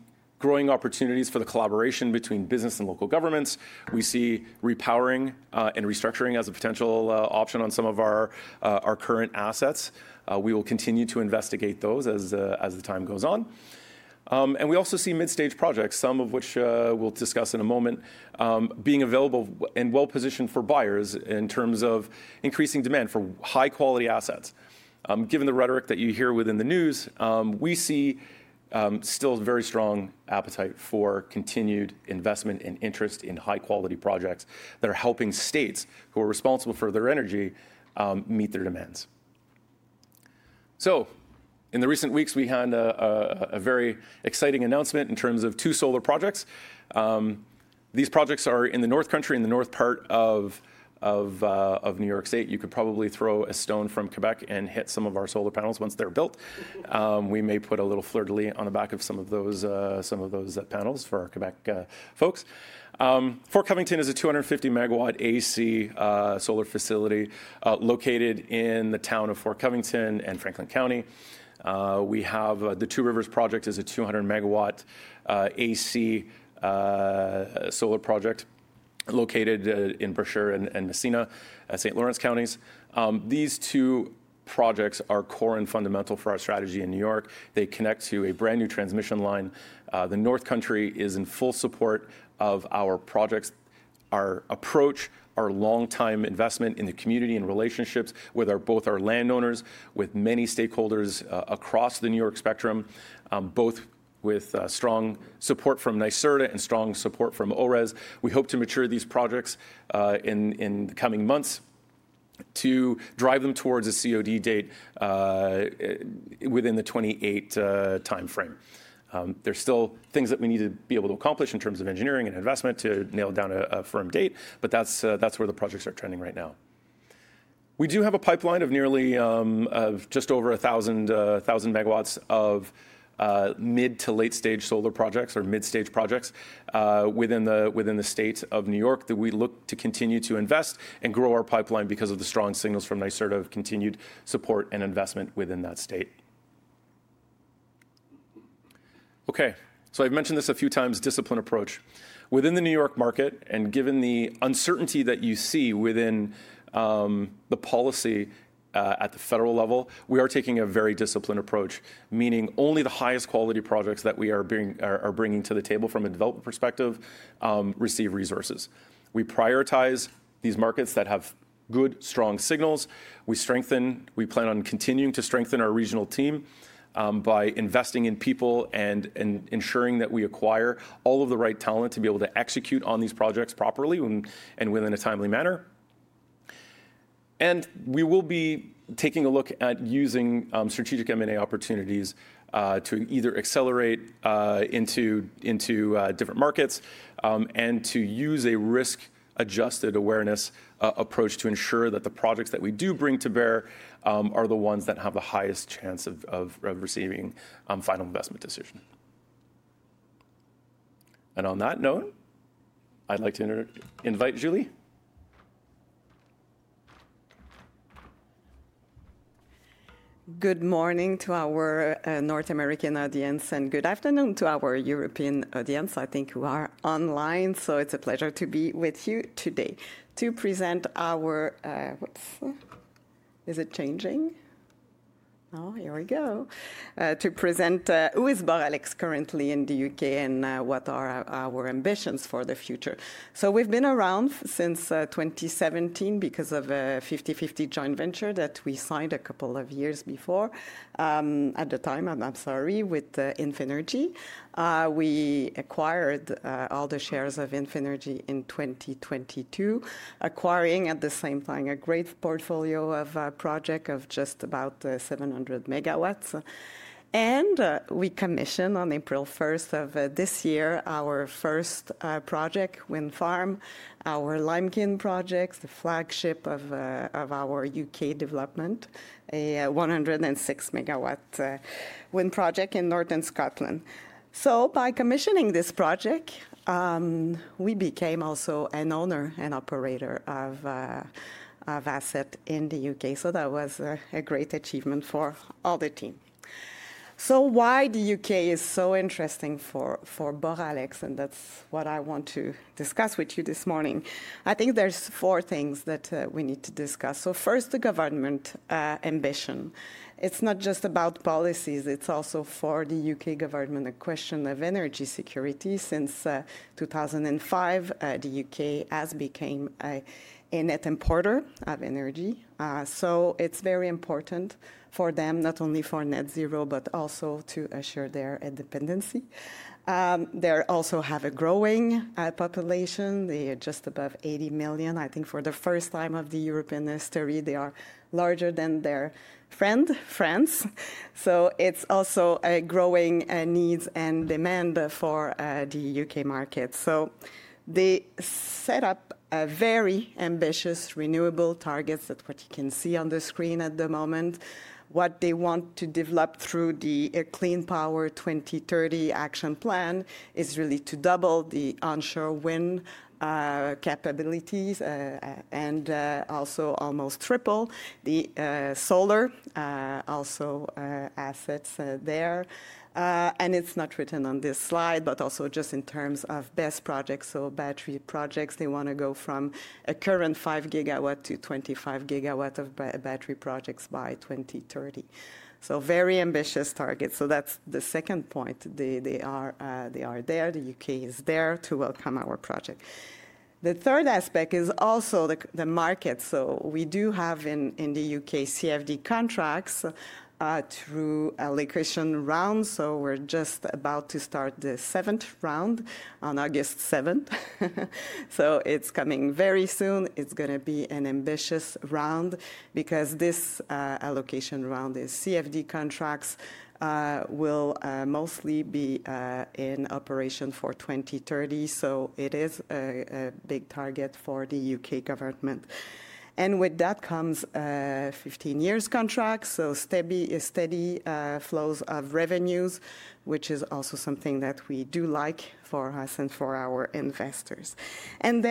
S6: growing opportunities for the collaboration between business and local governments. We see repowering and restructuring as a potential option on some of our current assets. We will continue to investigate those as the time goes on. We also see mid-stage projects, some of which we'll discuss in a moment, being available and well-positioned for buyers in terms of increasing demand for high-quality assets. Given the rhetoric that you hear within the news, we see still very strong appetite for continued investment and interest in high-quality projects that are helping states who are responsible for their energy meet their demands. In the recent weeks, we had a very exciting announcement in terms of two solar projects. These projects are in the north country, in the north part of New York State. You could probably throw a stone from Québec and hit some of our solar panels once they're built. We may put a little fleur-de-lis on the back of some of those panels for our Québec folks. Fort Covington is a 250 MW AC solar facility located in the town of Fort Covington and Franklin County. We have the Two Rivers Project as a 200 MW AC solar project located in Brasher and Massena, St. Lawrence counties. These two projects are core and fundamental for our strategy in New York. They connect to a brand-new transmission line. The north country is in full support of our projects, our approach, our long-time investment in the community and relationships with both our landowners, with many stakeholders across the New York spectrum, both with strong support from NYSERDA and strong support from ORES. We hope to mature these projects in the coming months to drive them towards a COD date within the 2028 timeframe. There's still things that we need to be able to accomplish in terms of engineering and investment to nail down a firm date, but that's where the projects are trending right now. We do have a pipeline of nearly just over 1,000 MW of mid to late-stage solar projects or mid-stage projects within the state of New York that we look to continue to invest and grow our pipeline because of the strong signals from NYSERDA of continued support and investment within that state. Okay, so I've mentioned this a few times, discipline approach. Within the New York market, and given the uncertainty that you see within the policy at the federal level, we are taking a very disciplined approach, meaning only the highest quality projects that we are bringing to the table from a development perspective receive resources. We prioritize these markets that have good, strong signals. We strengthen, we plan on continuing to strengthen our regional team by investing in people and ensuring that we acquire all of the right talent to be able to execute on these projects properly and within a timely manner. We will be taking a look at using strategic M&A opportunities to either accelerate into different markets and to use a risk-adjusted awareness approach to ensure that the projects that we do bring to bear are the ones that have the highest chance of receiving final investment decision. On that note, I'd like to invite Julie.
S7: Good morning to our North American audience and good afternoon to our European audience. I think you are online, so it's a pleasure to be with you today to present our—whoops—is it changing? Oh, here we go. To present who is Boralex currently in the U.K. and what are our ambitions for the future. We have been around since 2017 because of a 50/50 joint venture that we signed a couple of years before at the time, I'm sorry, with Infinergy. We acquired all the shares of Infinergy in 2022, acquiring at the same time a great portfolio of projects of just about 700 MW. We commissioned on April 1st of this year our first project, wind farm, our Limekiln project, the flagship of our U.K. development, a 106-MW wind project in Northern Scotland. By commissioning this project, we became also an owner and operator of assets in the U.K. That was a great achievement for all the team. Why the U.K. is so interesting for Boralex, and that's what I want to discuss with you this morning. I think there are four things that we need to discuss. First, the government ambition. It's not just about policies. It's also for the U.K. government a question of energy security since 2005. The U.K. has become a net importer of energy. It's very important for them, not only for net zero, but also to assure their independency. They also have a growing population. They are just above 80 million. I think for the first time of the European history, they are larger than their friend, France. It's also a growing need and demand for the U.K. market. They set up very ambitious renewable targets that what you can see on the screen at the moment. What they want to develop through the Clean Power 2030 Action Plan is really to double the onshore wind capabilities and also almost triple the solar assets there. It's not written on this slide, but also just in terms of best projects. Battery projects, they want to go from a current 5 GW to 25 GW of battery projects by 2030. Very ambitious targets. That's the second point. They are there. The U.K. is there to welcome our project. The third aspect is also the market. We do have in the U.K. CfD contracts through allocation rounds. We're just about to start the seventh round on August 7th. It's coming very soon. It's going to be an ambitious round because this allocation round is CfD contracts will mostly be in operation for 2030. It is a big target for the U.K. government. With that comes 15-year contracts. Steady flows of revenues, which is also something that we do like for us and for our investors. The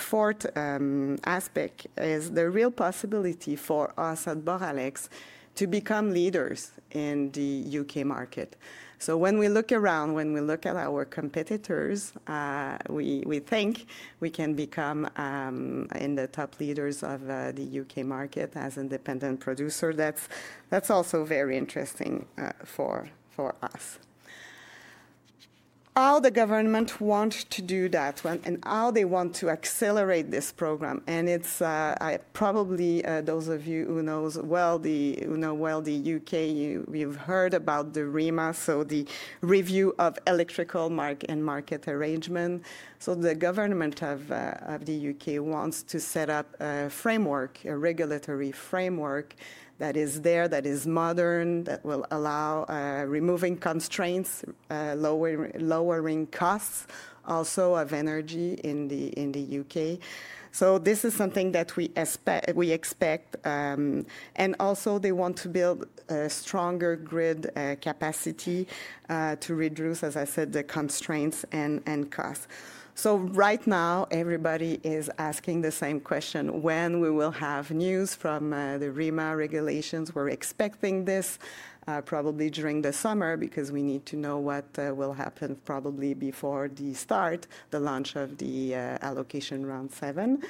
S7: fourth aspect is the real possibility for us at Boralex to become leaders in the U.K. market. When we look around, when we look at our competitors, we think we can become in the top leaders of the U.K. market as an independent producer. That's also very interesting for us. All the government wants to do that and how they want to accelerate this program. It's probably those of you who know well the U.K., you've heard about the REMA, the Review of Electrical and Market Arrangement. The government of the U.K. wants to set up a framework, a regulatory framework that is there, that is modern, that will allow removing constraints, lowering costs also of energy in the U.K. This is something that we expect. Also, they want to build a stronger grid capacity to reduce, as I said, the constraints and costs. Right now, everybody is asking the same question: when will we have news from the REMA regulations? We're expecting this probably during the summer because we need to know what will happen probably before the start, the launch of the allocation round seven.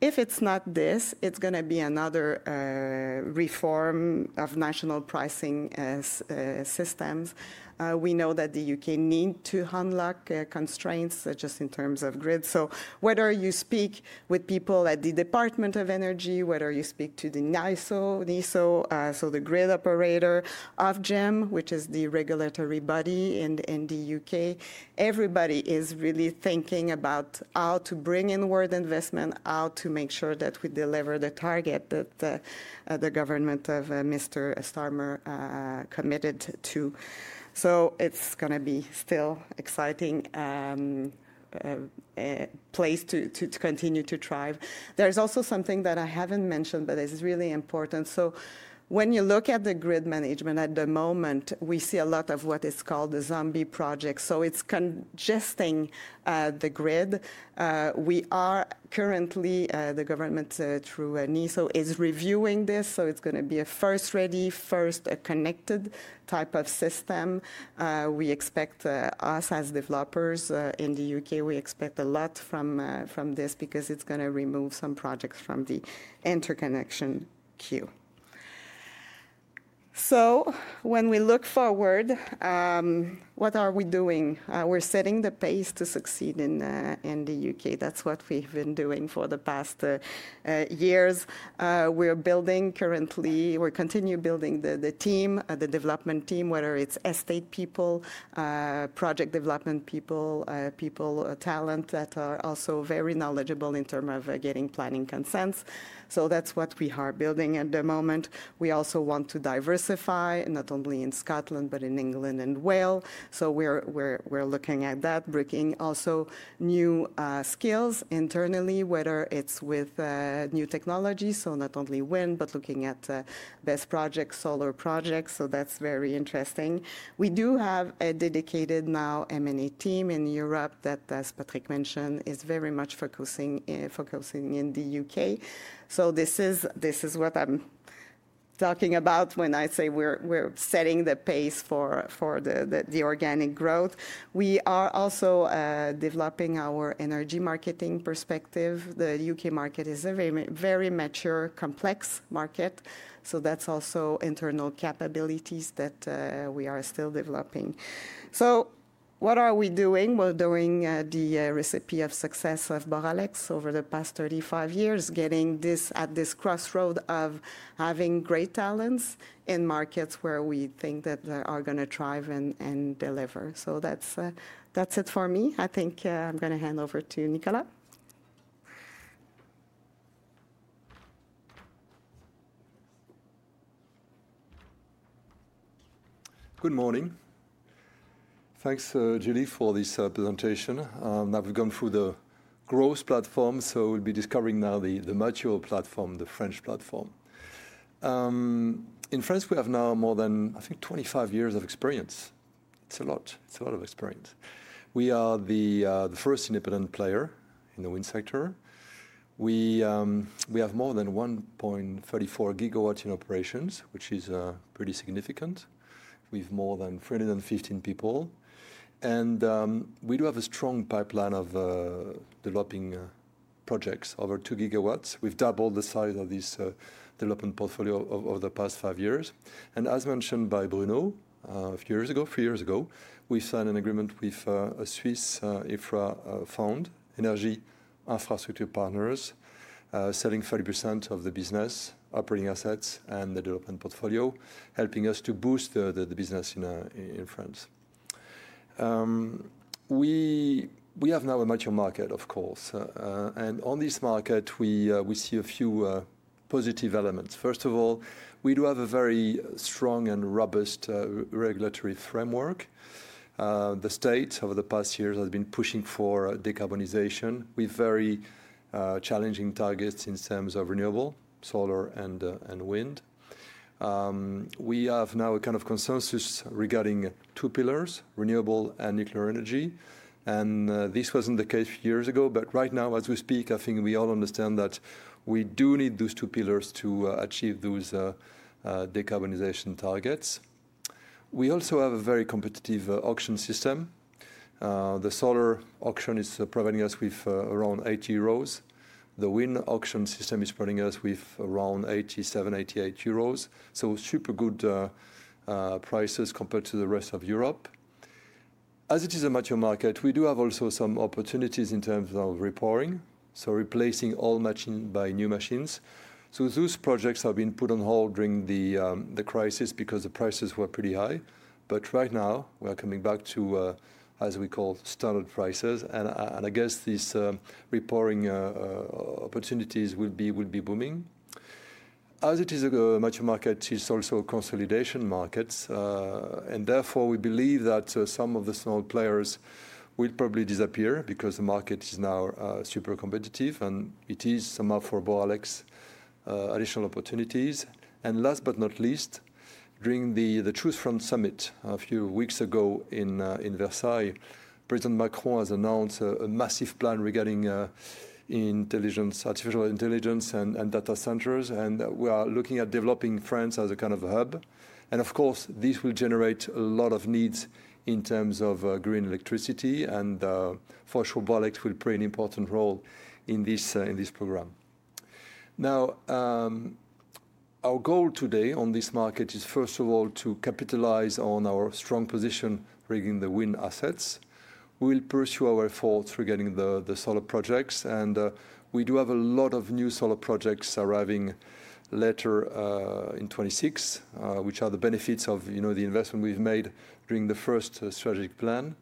S7: If it's not this, it's going to be another reform of national pricing systems. We know that the U.K. needs to unlock constraints just in terms of grid. Whether you speak with people at the Department of Energy, whether you speak to NYISO, so the grid operator, Ofgem, which is the regulatory body in the U.K., everybody is really thinking about how to bring inward investment, how to make sure that we deliver the target that the government of Mr. Starmer committed to. It's going to be still an exciting place to continue to thrive. There's also something that I haven't mentioned, but it's really important. When you look at the grid management at the moment, we see a lot of what is called the zombie project, so it's congesting the grid. Currently, the government NYISO is reviewing this. It's going to be a First-Ready, First-Connected type of system. We expect us as developers in the U.K., we expect a lot from this because it's going to remove some projects from the interconnection queue. When we look forward, what are we doing? We're setting the pace to succeed in the U.K. That's what we've been doing for the past years. We're building currently, we continue building the team, the development team, whether it's estate people, project development people, people, talent that are also very knowledgeable in terms of getting planning consents. That's what we are building at the moment. We also want to diversify not only in Scotland, but in England and Wales. We're looking at that, bringing also new skills internally, whether it's with new technology, not only wind, but looking at best projects, solar projects. That's very interesting. We do have a dedicated now M&A team in Europe that, as Patrick mentioned, is very much focusing in the U.K. This is what I'm talking about when I say we're setting the pace for the organic growth. We are also developing our energy marketing perspective. The U.K. market is a very mature, complex market. That's also internal capabilities that we are still developing. What are we doing? We're doing the recipe of success of Boralex over the past 35 years, getting this at this crossroad of having great talents in markets where we think that are going to thrive and deliver. That's it for me. I think I'm going to hand over to Nicolas.
S8: Good morning. Thanks, Julie, for this presentation. Now we've gone through the growth platform. We'll be discovering now the mature platform, the French platform. In France, we have now more than, I think, 25 years of experience. It's a lot. It's a lot of experience. We are the first independent player in the wind sector. We have more than 1.34 GW in operations, which is pretty significant. We have more than 315 people. We do have a strong pipeline of developing projects over 2 GW. We've doubled the size of this development portfolio over the past five years. As mentioned by Bruno a few years ago, three years ago, we signed an agreement with a Swiss infra fund, Energy Infrastructure Partners, selling 30% of the business operating assets and the development portfolio, helping us to boost the business in France. We have now a mature market, of course. On this market, we see a few positive elements. First of all, we do have a very strong and robust regulatory framework. The state over the past years has been pushing for decarbonization with very challenging targets in terms of renewable, solar, and wind. We have now a kind of consensus regarding two pillars, renewable and nuclear energy. This was not the case years ago. Right now, as we speak, I think we all understand that we do need those two pillars to achieve those decarbonization targets. We also have a very competitive auction system. The solar auction is providing us with around 80 euros. The wind auction system is providing us with around 87-88 euros. Super good prices compared to the rest of Europe. As it is a mature market, we do have also some opportunities in terms of repowering, so replacing old machines by new machines. Those projects have been put on hold during the crisis because the prices were pretty high. Right now, we are coming back to, as we call, standard prices. I guess these repowering opportunities will be booming. As it is a mature market, it is also a consolidation market. Therefore, we believe that some of the small players will probably disappear because the market is now super competitive. It is somehow for Boralex additional opportunities. Last but not least, during the Choose France Summit a few weeks ago in Versailles, President Macron has announced a massive plan regarding artificial intelligence and data centers. We are looking at developing France as a kind of hub. Of course, this will generate a lot of needs in terms of green electricity. For sure, Boralex will play an important role in this program. Now, our goal today on this market is, first of all, to capitalize on our strong position regarding the wind assets. We'll pursue our efforts regarding the solar projects. We do have a lot of new solar projects arriving later in 2026, which are the benefits of the investment we've made during the first strategic plan.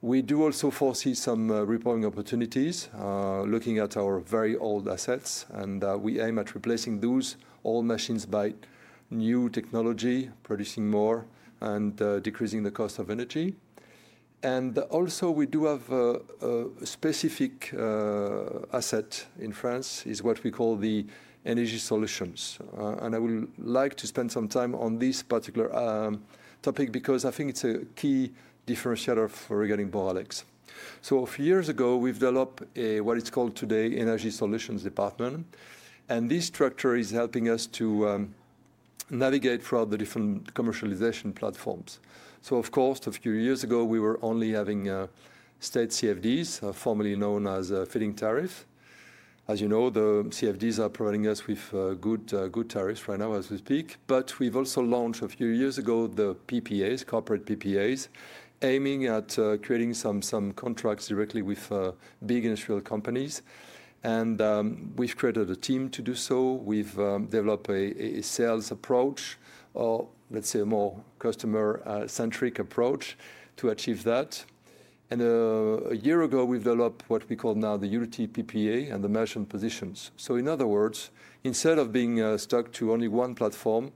S8: We also foresee some repowering opportunities looking at our very old assets. We aim at replacing those old machines by new technology, producing more and decreasing the cost of energy. Also, we do have a specific asset in France, which is what we call the energy solutions. I would like to spend some time on this particular topic because I think it's a key differentiator regarding Boralex. A few years ago, we developed what is called today the Energy Solutions Department. This structure is helping us to navigate throughout the different commercialization platforms. Of course, a few years ago, we were only having state CfDs, formerly known as Feed-In Tariffs. As you know, the CfDs are providing us with good tariffs right now as we speak. We also launched a few years ago the PPAs, corporate PPAs, aiming at creating some contracts directly with big industrial companies. We created a team to do so. We developed a sales approach or, let's say, a more customer-centric approach to achieve that. A year ago, we developed what we call now the Utility PPA and the merchant positions. In other words, instead of being stuck to only one platform,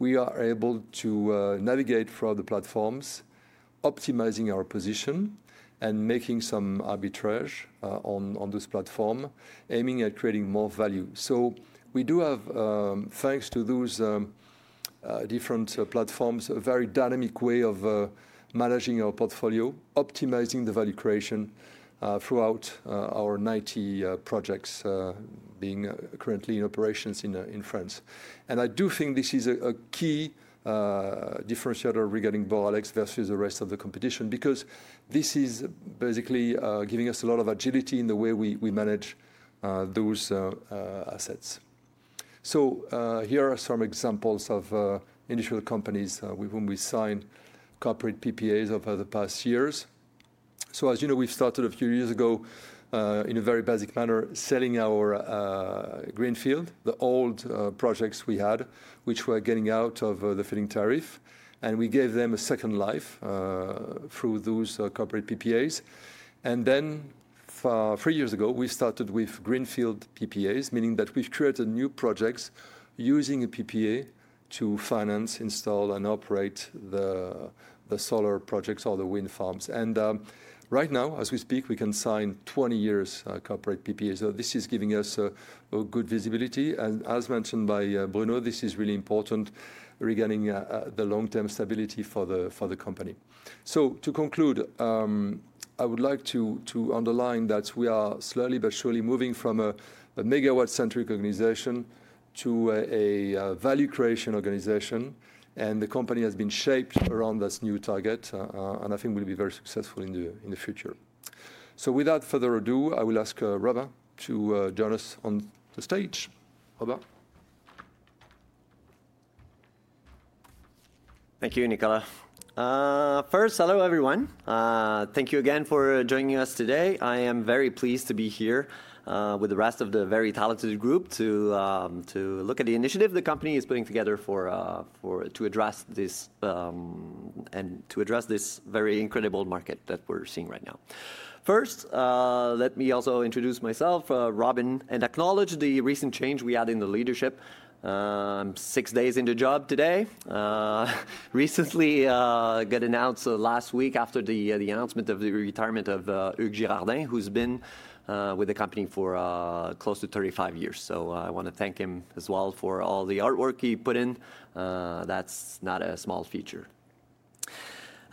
S8: we are able to navigate through the platforms, optimizing our position and making some arbitrage on this platform, aiming at creating more value. We do have, thanks to those different platforms, a very dynamic way of managing our portfolio, optimizing the value creation throughout our 90 projects being currently in operations in France. I do think this is a key differentiator regarding Boralex versus the rest of the competition because this is basically giving us a lot of agility in the way we manage those assets. Here are some examples of initial companies with whom we signed corporate PPAs over the past years. As you know, we've started a few years ago in a very basic manner selling our greenfield, the old projects we had, which were getting out of the fitting tariff. We gave them a second life through those corporate PPAs. Three years ago, we started with greenfield PPAs, meaning that we created new projects using a PPA to finance, install, and operate the solar projects or the wind farms. Right now, as we speak, we can sign 20-year corporate PPAs. This is giving us good visibility. As mentioned by Bruno, this is really important regarding the long-term stability for the company. To conclude, I would like to underline that we are slowly but surely moving from a megawatt-centric organization to a value creation organization. The company has been shaped around this new target. I think we will be very successful in the future. Without further ado, I will ask Robin to join us on the stage. Robin.
S9: Thank you, Nicolas. First, hello, everyone. Thank you again for joining us today. I am very pleased to be here with the rest of the very talented group to look at the initiative the company is putting together to address this and to address this very incredible market that we're seeing right now. First, let me also introduce myself, Robin, and acknowledge the recent change we had in the leadership. I'm six days into the job today. Recently got announced last week after the announcement of the retirement of Hugues Girardin, who's been with the company for close to 35 years. I want to thank him as well for all the hard work he put in. That's not a small feature.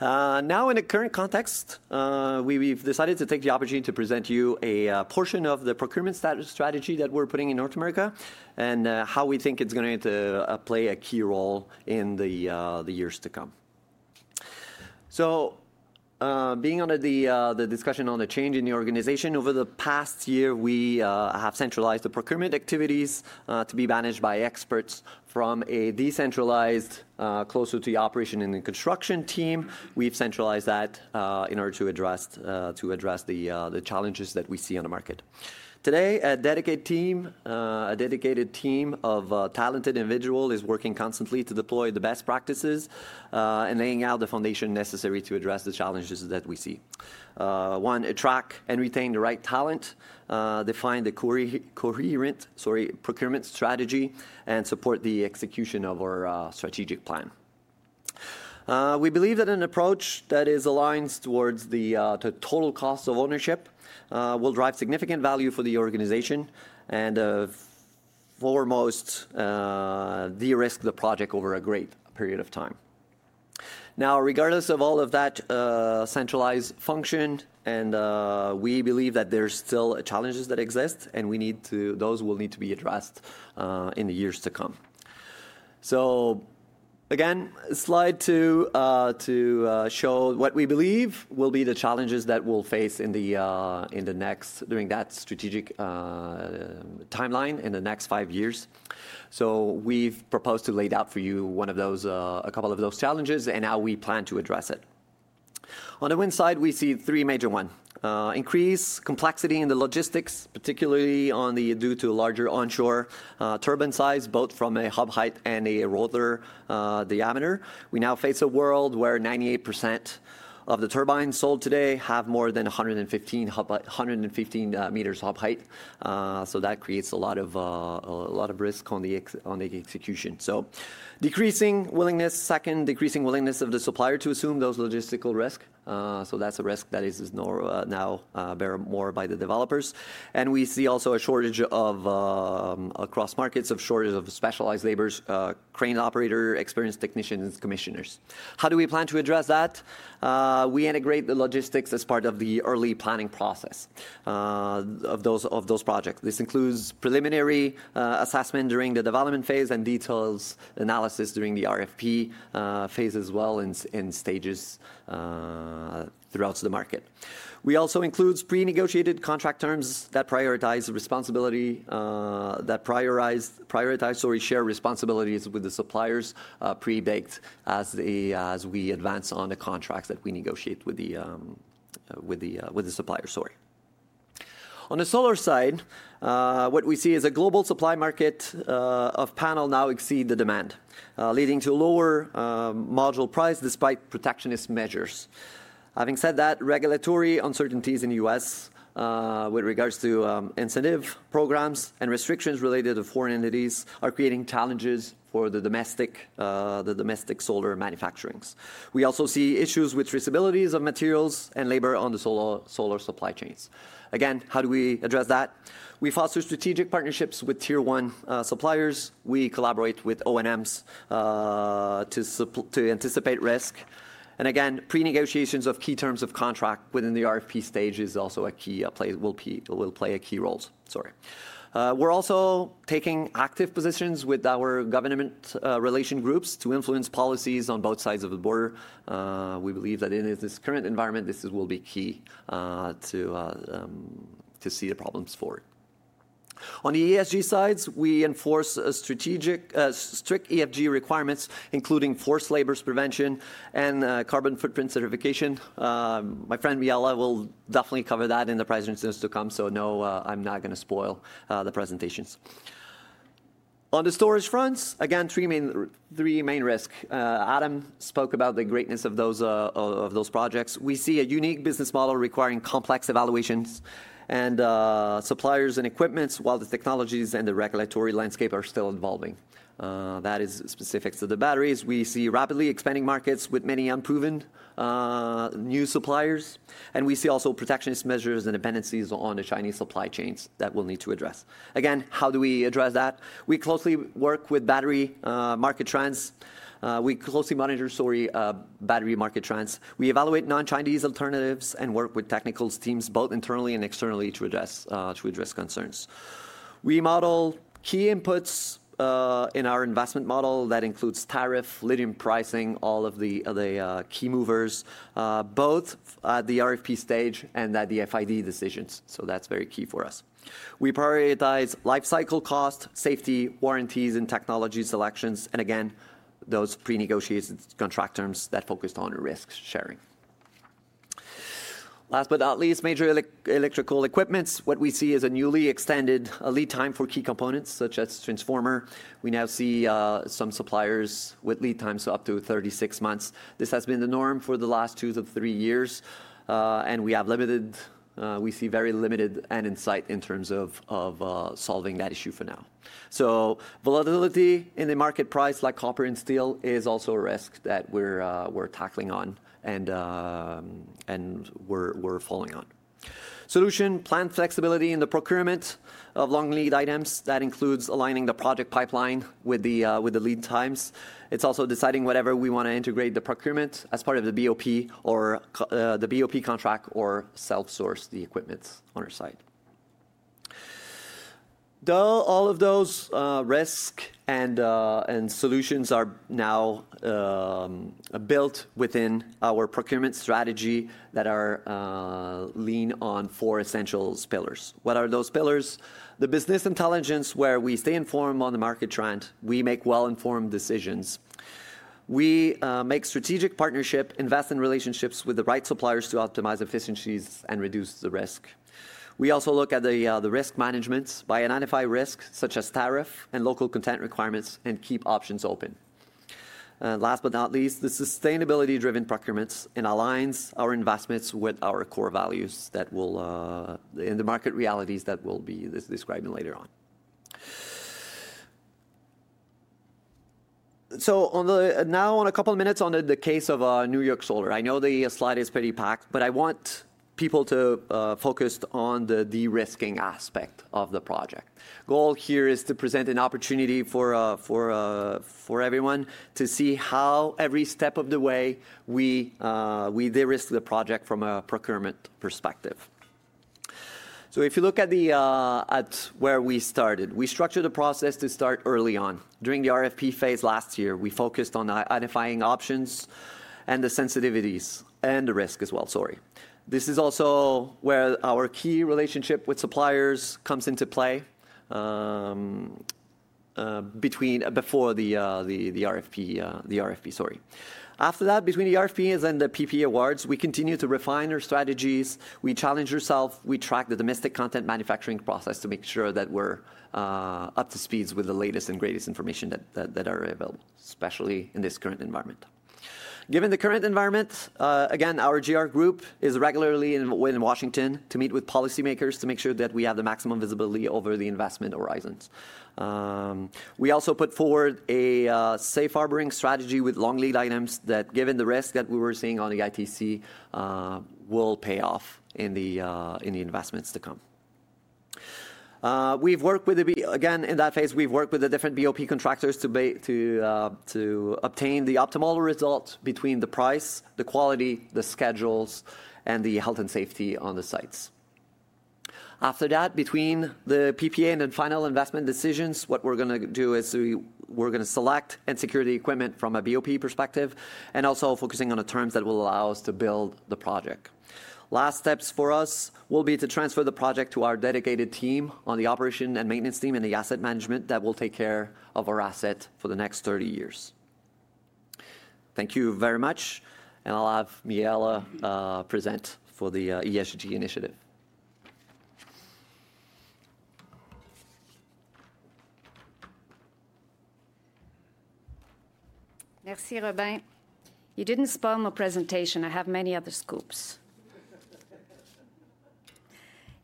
S9: Now, in a current context, we've decided to take the opportunity to present you a portion of the procurement strategy that we're putting in North America and how we think it's going to play a key role in the years to come. Being under the discussion on the change in the organization, over the past year, we have centralized the procurement activities to be managed by experts from a decentralized, closer to the operation and the construction team. We've centralized that in order to address the challenges that we see on the market. Today, a dedicated team of talented individuals is working constantly to deploy the best practices and laying out the foundation necessary to address the challenges that we see. One, attract and retain the right talent, define the coherent procurement strategy, and support the execution of our strategic plan. We believe that an approach that is aligned towards the total cost of ownership will drive significant value for the organization and foremost de-risk the project over a great period of time. Now, regardless of all of that centralized function, we believe that there are still challenges that exist, and those will need to be addressed in the years to come. Again, slide two to show what we believe will be the challenges that we'll face in the next during that strategic timeline in the next five years. We've proposed to lay it out for you, one of those, a couple of those challenges and how we plan to address it. On the wind side, we see three major ones: increased complexity in the logistics, particularly due to larger onshore turbine size, both from a hub height and a rotor diameter. We now face a world where 98% of the turbines sold today have more than 115 meters hub height. That creates a lot of risk on the execution. Decreasing willingness, second, decreasing willingness of the supplier to assume those logistical risks. That is a risk that is now borne by the developers. We see also a shortage across markets of specialized labor, crane operator, experienced technicians, and commissioners. How do we plan to address that? We integrate the logistics as part of the early planning process of those projects. This includes preliminary assessment during the development phase and detailed analysis during the RFP phase as well in stages throughout the market. We also include pre-negotiated contract terms that prioritize responsibility, that prioritize, sorry, share responsibilities with the suppliers pre-baked as we advance on the contracts that we negotiate with the suppliers. On the solar side, what we see is a global supply market of panel now exceed the demand, leading to lower module price despite protectionist measures. Having said that, regulatory uncertainties in the U.S. with regards to incentive programs and restrictions related to foreign entities are creating challenges for the domestic solar manufacturings. We also see issues with traceabilities of materials and labor on the solar supply chains. Again, how do we address that? We foster strategic partnerships with tier one suppliers. We collaborate with O&Ms to anticipate risk. Again, pre-negotiations of key terms of contract within the RFP stage will play a key role. Sorry. We're also taking active positions with our government relation groups to influence policies on both sides of the border. We believe that in this current environment, this will be key to see the problems forward. On the ESG sides, we enforce strict ESG requirements, including forced labor prevention and carbon footprint certification. My friend Mihaela will definitely cover that in the presentations to come. No, I'm not going to spoil the presentations. On the storage fronts, again, three main risks. Adam spoke about the greatness of those projects. We see a unique business model requiring complex evaluations and suppliers and equipment while the technologies and the regulatory landscape are still evolving. That is specific to the batteries. We see rapidly expanding markets with many unproven new suppliers. We see also protectionist measures and dependencies on the Chinese supply chains that we'll need to address. Again, how do we address that? We closely monitor battery market trends. We evaluate non-Chinese alternatives and work with technical teams both internally and externally to address concerns. We model key inputs in our investment model that includes tariff, lithium pricing, all of the key movers both at the RFP stage and at the FID decisions. That is very key for us. We prioritize lifecycle cost, safety, warranties, and technology selections. Again, those pre-negotiated contract terms that focus on risk sharing. Last but not least, major electrical equipment, what we see is a newly extended lead time for key components such as transformer. We now see some suppliers with lead times up to 36 months. This has been the norm for the last two to three years. We see very limited end in sight in terms of solving that issue for now. Volatility in the market price like copper and steel is also a risk that we're tackling on and we're following on. Solution plan flexibility in the procurement of long lead items that includes aligning the project pipeline with the lead times. It is also deciding whether we want to integrate the procurement as part of the BOP or the BOP contract or self-source the equipment on our side. All of those risks and solutions are now built within our procurement strategy that are lean on four essential pillars. What are those pillars? The Business Intelligence where we stay informed on the market trend. We make well-informed decisions. We make Ptrategic Partnership, invest in relationships with the right suppliers to optimize efficiencies and reduce the risk. We also look at the Risk Management by identifying risks such as tariff and local content requirements and keep options open. Last but not least, the Sustainability-Driven Procurements and aligns our investments with our core values that will in the market realities that we'll be describing later on. Now, a couple of minutes on the case of New York Solar. I know the slide is pretty packed, but I want people to focus on the de-risking aspect of the project. The goal here is to present an opportunity for everyone to see how every step of the way we de-risk the project from a procurement perspective. If you look at where we started, we structured the process to start early on. During the RFP phase last year, we focused on identifying options and the sensitivities and the risk as well. Sorry. This is also where our key relationship with suppliers comes into play before the RFP, sorry. After that, between the RFPs and the PPA awards, we continue to refine our strategies. We challenge ourselves. We track the domestic content manufacturing process to make sure that we're up to speed with the latest and greatest information that are available, especially in this current environment. Given the current environment, again, our GR group is regularly in Washington to meet with policymakers to make sure that we have the maximum visibility over the investment horizons. We also put forward a safe harboring strategy with long lead items that, given the risk that we were seeing on the ITC, will pay off in the investments to come. Again, in that phase, we've worked with the different BOP contractors to obtain the optimal result between the price, the quality, the schedules, and the health and safety on the sites. After that, between the PPA and the Final Investment Decisions, what we're going to do is we're going to select and secure the equipment from a BOP perspective and also focusing on the terms that will allow us to build the project. The last steps for us will be to transfer the project to our dedicated team on the Operation and Maintenance team and the asset management that will take care of our asset for the next 30 years. Thank you very much. I'll have Mihaela present for the ESG initiative.
S10: Merci, Robin. You didn't spoil my presentation. I have many other scoops.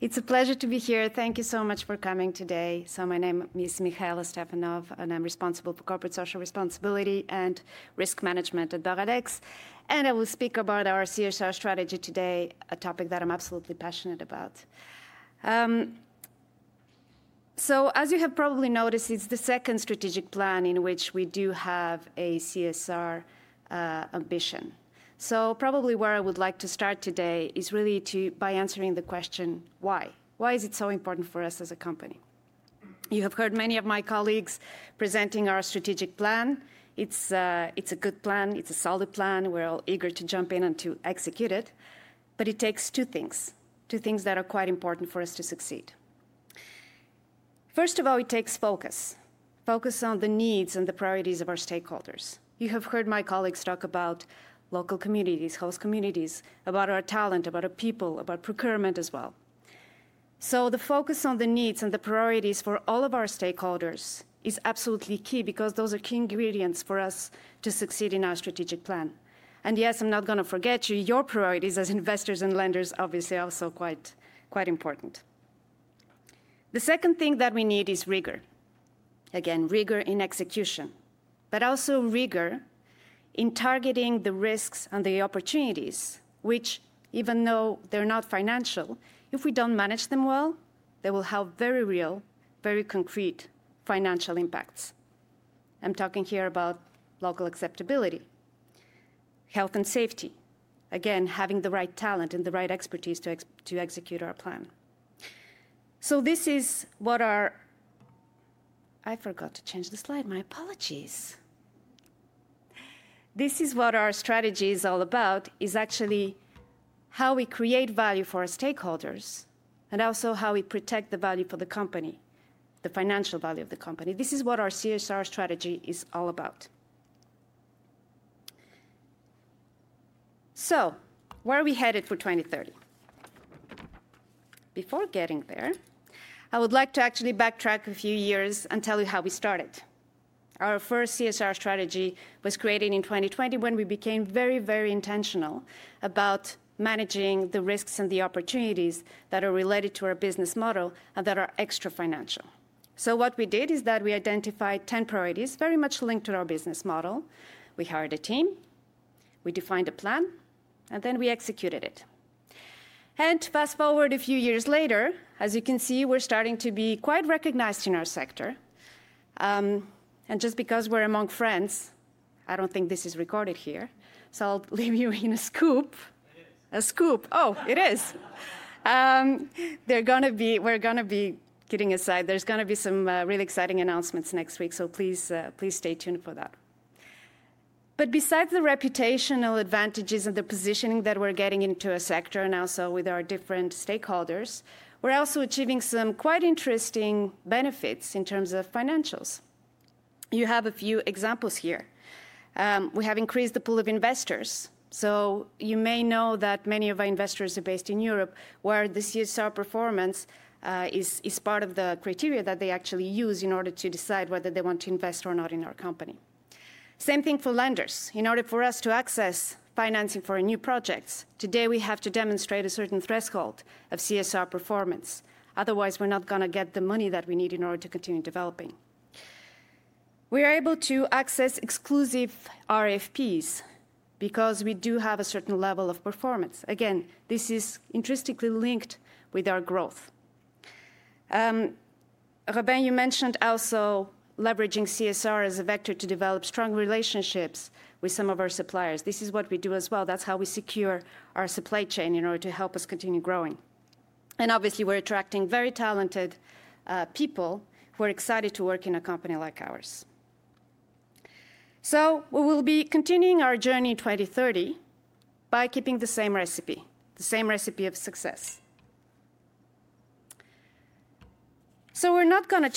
S10: It's a pleasure to be here. Thank you so much for coming today. My name is Mihaela Stefanov, and I'm responsible for corporate social responsibility and risk management at Boralex. I will speak about our CSR strategy today, a topic that I'm absolutely passionate about. As you have probably noticed, it's the second strategic plan in which we do have a CSR ambition. Probably where I would like to start today is really by answering the question, why? Why is it so important for us as a company? You have heard many of my colleagues presenting our strategic plan. It's a good plan. It's a solid plan. We're all eager to jump in and to execute it. It takes two things, two things that are quite important for us to succeed. First of all, it takes focus, focus on the needs and the priorities of our stakeholders. You have heard my colleagues talk about local communities, host communities, about our talent, about our people, about procurement as well. The focus on the needs and the priorities for all of our stakeholders is absolutely key because those are key ingredients for us to succeed in our strategic plan. Yes, I'm not going to forget you. Your priorities as investors and lenders obviously are also quite important. The second thing that we need is rigor. Again, rigor in execution, but also rigor in targeting the risks and the opportunities, which, even though they're not financial, if we don't manage them well, they will have very real, very concrete financial impacts. I'm talking here about local acceptability, health and safety, again, having the right talent and the right expertise to execute our plan. This is what our—I forgot to change the slide. My apologies. This is what our strategy is all about, is actually how we create value for our stakeholders and also how we protect the value for the company, the financial value of the company. This is what our CSR strategy is all about. Where are we headed for 2030? Before getting there, I would like to actually backtrack a few years and tell you how we started. Our first CSR strategy was created in 2020 when we became very, very intentional about managing the risks and the opportunities that are related to our business model and that are extra financial. What we did is that we identified 10 priorities very much linked to our business model. We hired a team. We defined a plan, and then we executed it. Fast forward a few years later, as you can see, we're starting to be quite recognized in our sector. Just because we're among friends, I don't think this is recorded here. I'll leave you in a scoop. A scoop. Oh, it is. We're going to be getting aside. There's going to be some really exciting announcements next week. Please stay tuned for that. Besides the reputational advantages and the positioning that we're getting into a sector now, with our different stakeholders, we're also achieving some quite interesting benefits in terms of financials. You have a few examples here. We have increased the pool of investors. You may know that many of our investors are based in Europe, where the CSR performance is part of the criteria that they actually use in order to decide whether they want to invest or not in our company. Same thing for lenders. In order for us to access financing for new projects, today we have to demonstrate a certain threshold of CSR performance. Otherwise, we're not going to get the money that we need in order to continue developing. We are able to access exclusive RFPs because we do have a certain level of performance. Again, this is intrinsically linked with our growth. Robin, you mentioned also leveraging CSR as a vector to develop strong relationships with some of our suppliers. This is what we do as well. That's how we secure our supply chain in order to help us continue growing. Obviously, we're attracting very talented people who are excited to work in a company like ours. We will be continuing our journey in 2030 by keeping the same recipe, the same recipe of success. We're not going to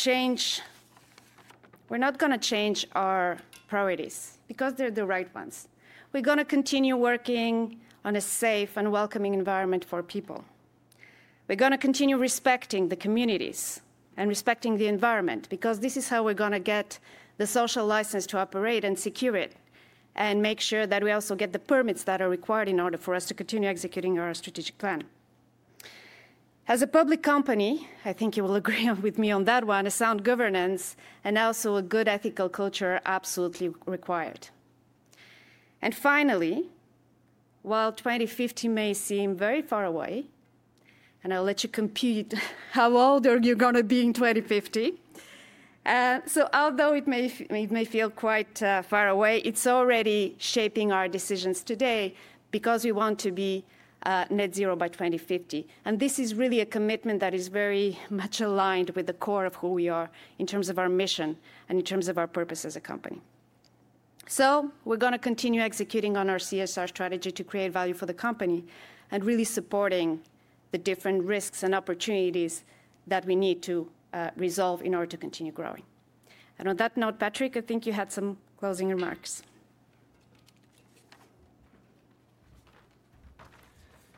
S10: change our priorities because they're the right ones. We're going to continue working on a safe and welcoming environment for people. We're going to continue respecting the communities and respecting the environment because this is how we're going to get the social license to operate and secure it and make sure that we also get the permits that are required in order for us to continue executing our strategic plan. As a public company, I think you will agree with me on that one, sound governance and also a good ethical culture are absolutely required. Finally, while 2050 may seem very far away, and I'll let you compute how old you're going to be in 2050, so although it may feel quite far away, it's already shaping our decisions today because we want to be net zero by 2050. This is really a commitment that is very much aligned with the core of who we are in terms of our mission and in terms of our purpose as a company. We are going to continue executing on our CSR strategy to create value for the company and really supporting the different risks and opportunities that we need to resolve in order to continue growing. On that note, Patrick, I think you had some closing remarks.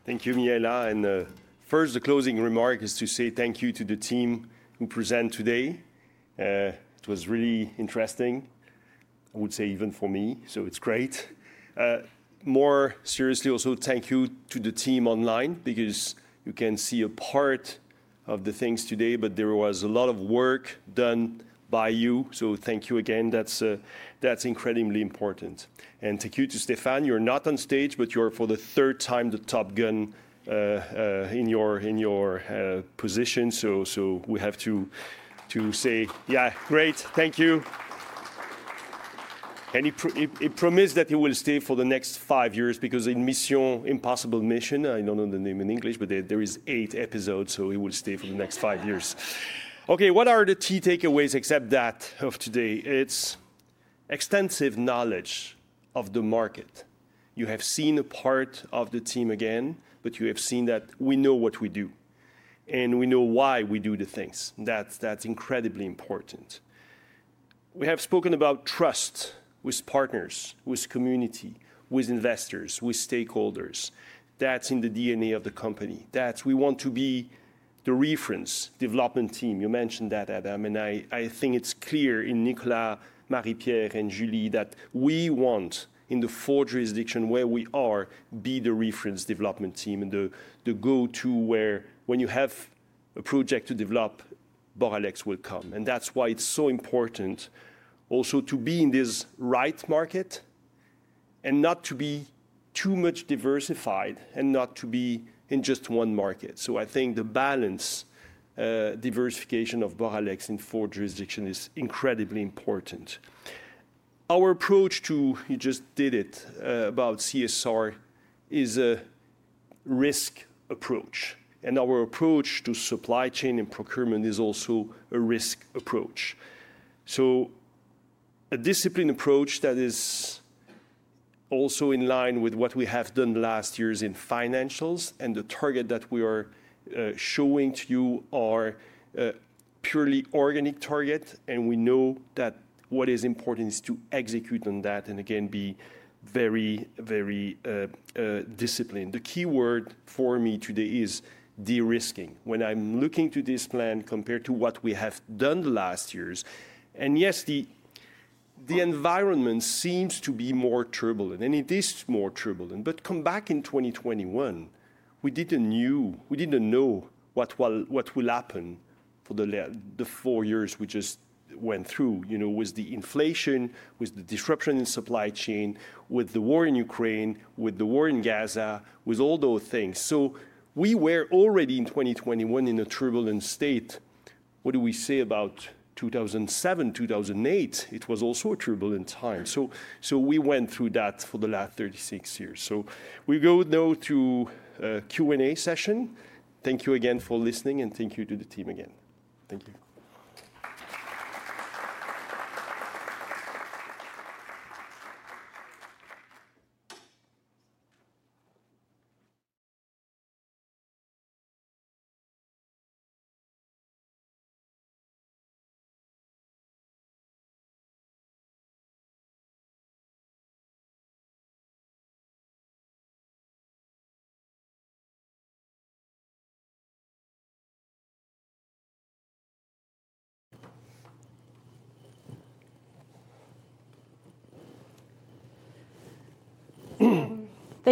S2: Thank you, Mihaela. First, the closing remark is to say thank you to the team who presented today. It was really interesting, I would say, even for me. It is great. More seriously, also thank you to the team online because you can see a part of the things today, but there was a lot of work done by you. Thank you again. That is incredibly important. Thank you to Stéphane. You are not on stage, but you are for the third time the top gun in your position. We have to say, yeah, great. Thank you. He promised that he will stay for the next five years because in Mission Impossible Mission, I do not know the name in English, but there are eight episodes, so he will stay for the next five years. What are the key takeaways except that of today? It's extensive knowledge of the market. You have seen a part of the team again, but you have seen that we know what we do and we know why we do the things. That's incredibly important. We have spoken about trust with partners, with community, with investors, with stakeholders. That's in the DNA of the company. We want to be the reference development team. You mentioned that, Adam. I think it's clear in Nicolas, Marie-Pierre, and Julie that we want, in the four jurisdictions where we are, to be the reference development team and the go-to where when you have a project to develop, Boralex will come. That's why it's so important also to be in this right market and not to be too much diversified and not to be in just one market. I think the balance diversification of Boralex in four jurisdictions is incredibly important. Our approach to, you just did it, about CSR is a risk approach. Our approach to supply chain and procurement is also a risk approach. A disciplined approach that is also in line with what we have done last years in financials and the target that we are showing to you are purely organic targets. We know that what is important is to execute on that and again, be very, very disciplined. The key word for me today is de-risking. When I am looking to this plan compared to what we have done last years, yes, the environment seems to be more turbulent, and it is more turbulent. Come back in 2021, we didn't know what would happen for the four years we just went through with the inflation, with the disruption in supply chain, with the war in Ukraine, with the war in Gaza, with all those things. We were already in 2021 in a turbulent state. What do we say about 2007, 2008? It was also a turbulent time. We went through that for the last 36 years. We go now to a Q&A session. Thank you again for listening, and thank you to the team again. Thank you.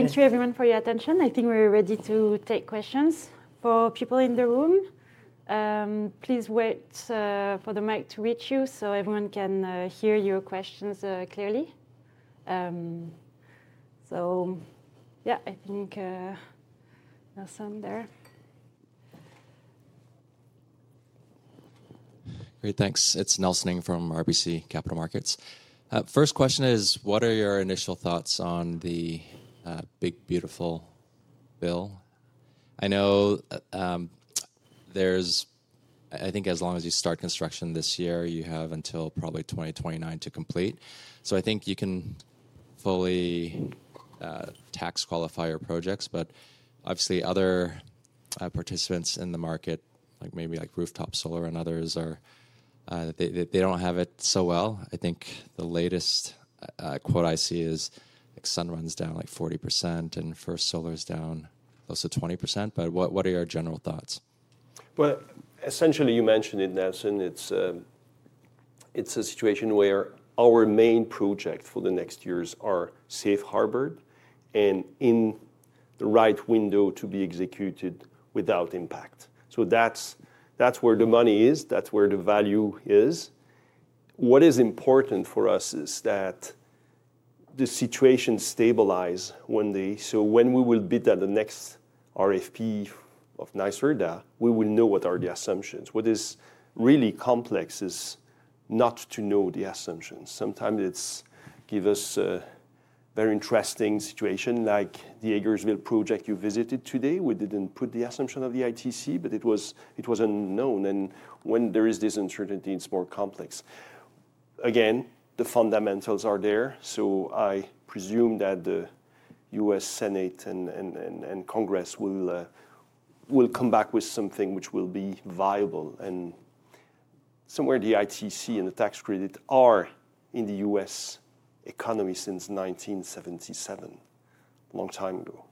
S1: Thank you, everyone, for your attention. I think we're ready to take questions for people in the room. Please wait for the mic to reach you so everyone can hear your questions clearly. Yeah, I think Nelson there.
S11: Great. Thanks. It's Nelson Ng from RBC Capital Markets. First question is, what are your initial thoughts on the big, beautiful bill? I know there's, I think as long as you start construction this year, you have until probably 2029 to complete. I think you can fully tax qualify your projects. Obviously, other participants in the market, like maybe rooftop solar and others, they do not have it so well. I think the latest quote I see is, like Sunrun is down like 40% and First Solar is down close to 20%. What are your general thoughts?
S2: Essentially, you mentioned it, Nelson. It's a situation where our main project for the next years are safe harbored and in the right window to be executed without impact. That's where the money is. That's where the value is. What is important for us is that the situation stabilizes one day. When we will bid at the next RFP of NYSERDA, we will know what are the assumptions. What is really complex is not to know the assumptions. Sometimes it gives us a very interesting situation, like the Hagersville project you visited today. We didn't put the assumption of the ITC, but it was unknown. When there is this uncertainty, it's more complex. Again, the fundamentals are there. I presume that the U.S. Senate and Congress will come back with something which will be viable. Somewhere the ITC and the tax credit are in the U.S. economy since 1977, a long time ago.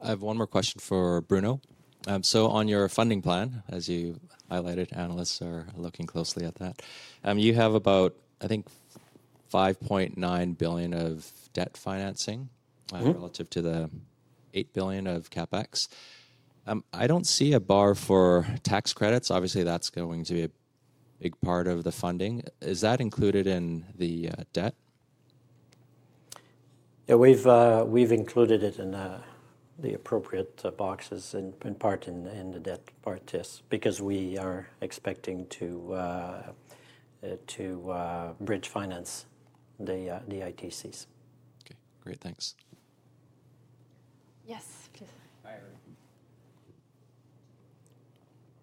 S11: I have one more question for Bruno. On your funding plan, as you highlighted, analysts are looking closely at that. You have about, I think, 5.9 billion of debt financing relative to the 8 billion of CapEx. I do not see a bar for tax credits. Obviously, that is going to be a big part of the funding. Is that included in the debt?
S3: Yeah, we've included it in the appropriate boxes, in part in the debt part, yes, because we are expecting to bridge finance the ITCs.
S11: Okay. Great. Thanks.
S1: Yes, please.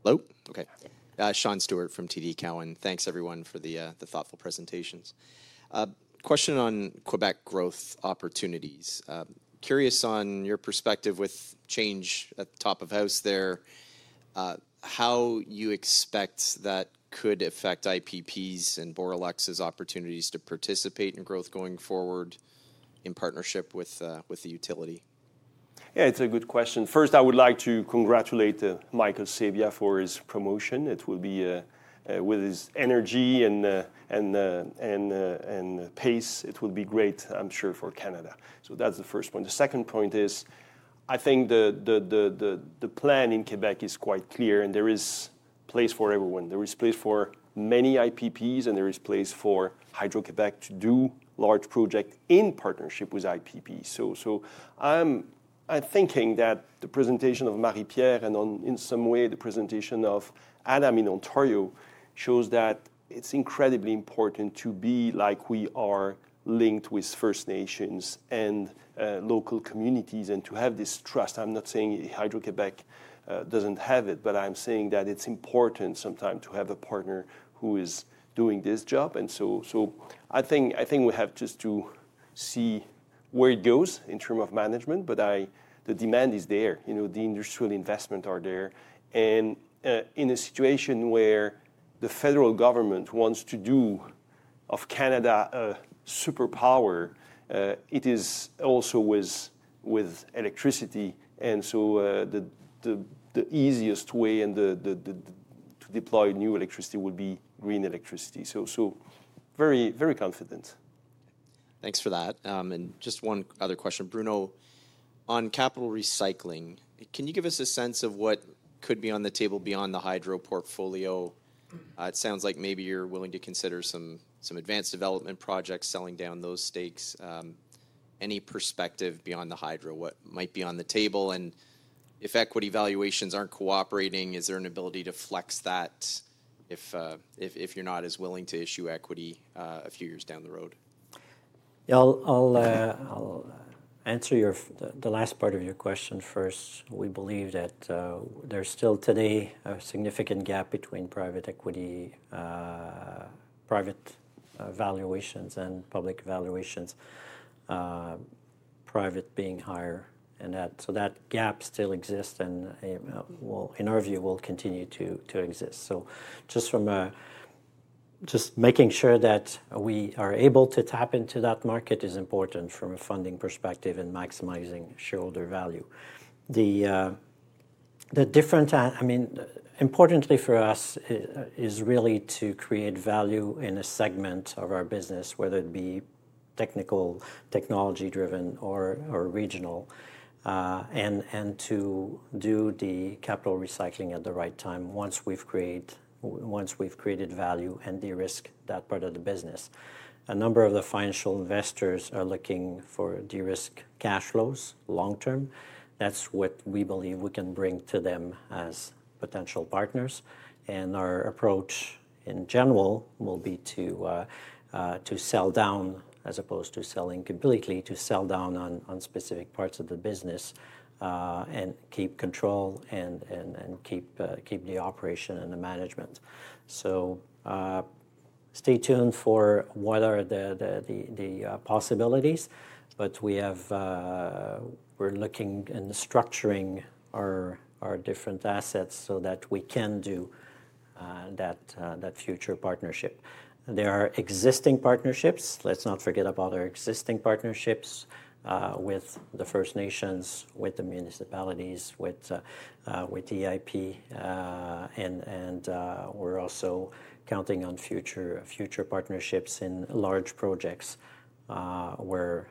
S12: Hello. Okay. Sean Steuart from TD Cowen. Thanks, everyone, for the thoughtful presentations. Question on Québec growth opportunities. Curious on your perspective with change at the top of house there, how you expect that could affect IPPs and Boralex's opportunities to participate in growth going forward in partnership with the utility.
S2: Yeah, it's a good question. First, I would like to congratulate Michael Sabia for his promotion. It will be with his energy and pace. It will be great, I'm sure, for Canada. That is the first point. The second point is, I think the plan in Québec is quite clear, and there is place for everyone. There is place for many IPPs, and there is place for Hydro-Québec to do large projects in partnership with IPPs. I am thinking that the presentation of Marie-Pierre and in some way, the presentation of Adam in Ontario shows that it's incredibly important to be like we are linked with First Nations and local communities and to have this trust. I'm not saying Hydro-Québec doesn't have it, but I'm saying that it's important sometimes to have a partner who is doing this job. I think we have just to see where it goes in terms of management, but the demand is there. The industrial investments are there. In a situation where the federal government wants to do of Canada a superpower, it is also with electricity. The easiest way to deploy new electricity would be green electricity. Very confident.
S12: Thanks for that. Just one other question, Bruno. On capital recycling, can you give us a sense of what could be on the table beyond the hydro portfolio? It sounds like maybe you're willing to consider some advanced development projects, selling down those stakes. Any perspective beyond the hydro? What might be on the table? If equity valuations aren't cooperating, is there an ability to flex that if you're not as willing to issue equity a few years down the road?
S3: Yeah, I'll answer the last part of your question first. We believe that there's still today a significant gap between private equity, private valuations, and public valuations, private being higher. That gap still exists and, in our view, will continue to exist. Just making sure that we are able to tap into that market is important from a funding perspective and maximizing shareholder value. The different, I mean, importantly for us is really to create value in a segment of our business, whether it be technical, technology-driven, or regional, and to do the capital recycling at the right time once we've created value and de-risked that part of the business. A number of the financial investors are looking for de-risked cash flows long-term. That's what we believe we can bring to them as potential partners. Our approach in general will be to sell down as opposed to selling completely, to sell down on specific parts of the business and keep control and keep the operation and the management. Stay tuned for what are the possibilities, but we're looking and structuring our different assets so that we can do that future partnership. There are existing partnerships. Let's not forget about our existing partnerships with the First Nations, with the municipalities, with EIP. We're also counting on future partnerships in large projects where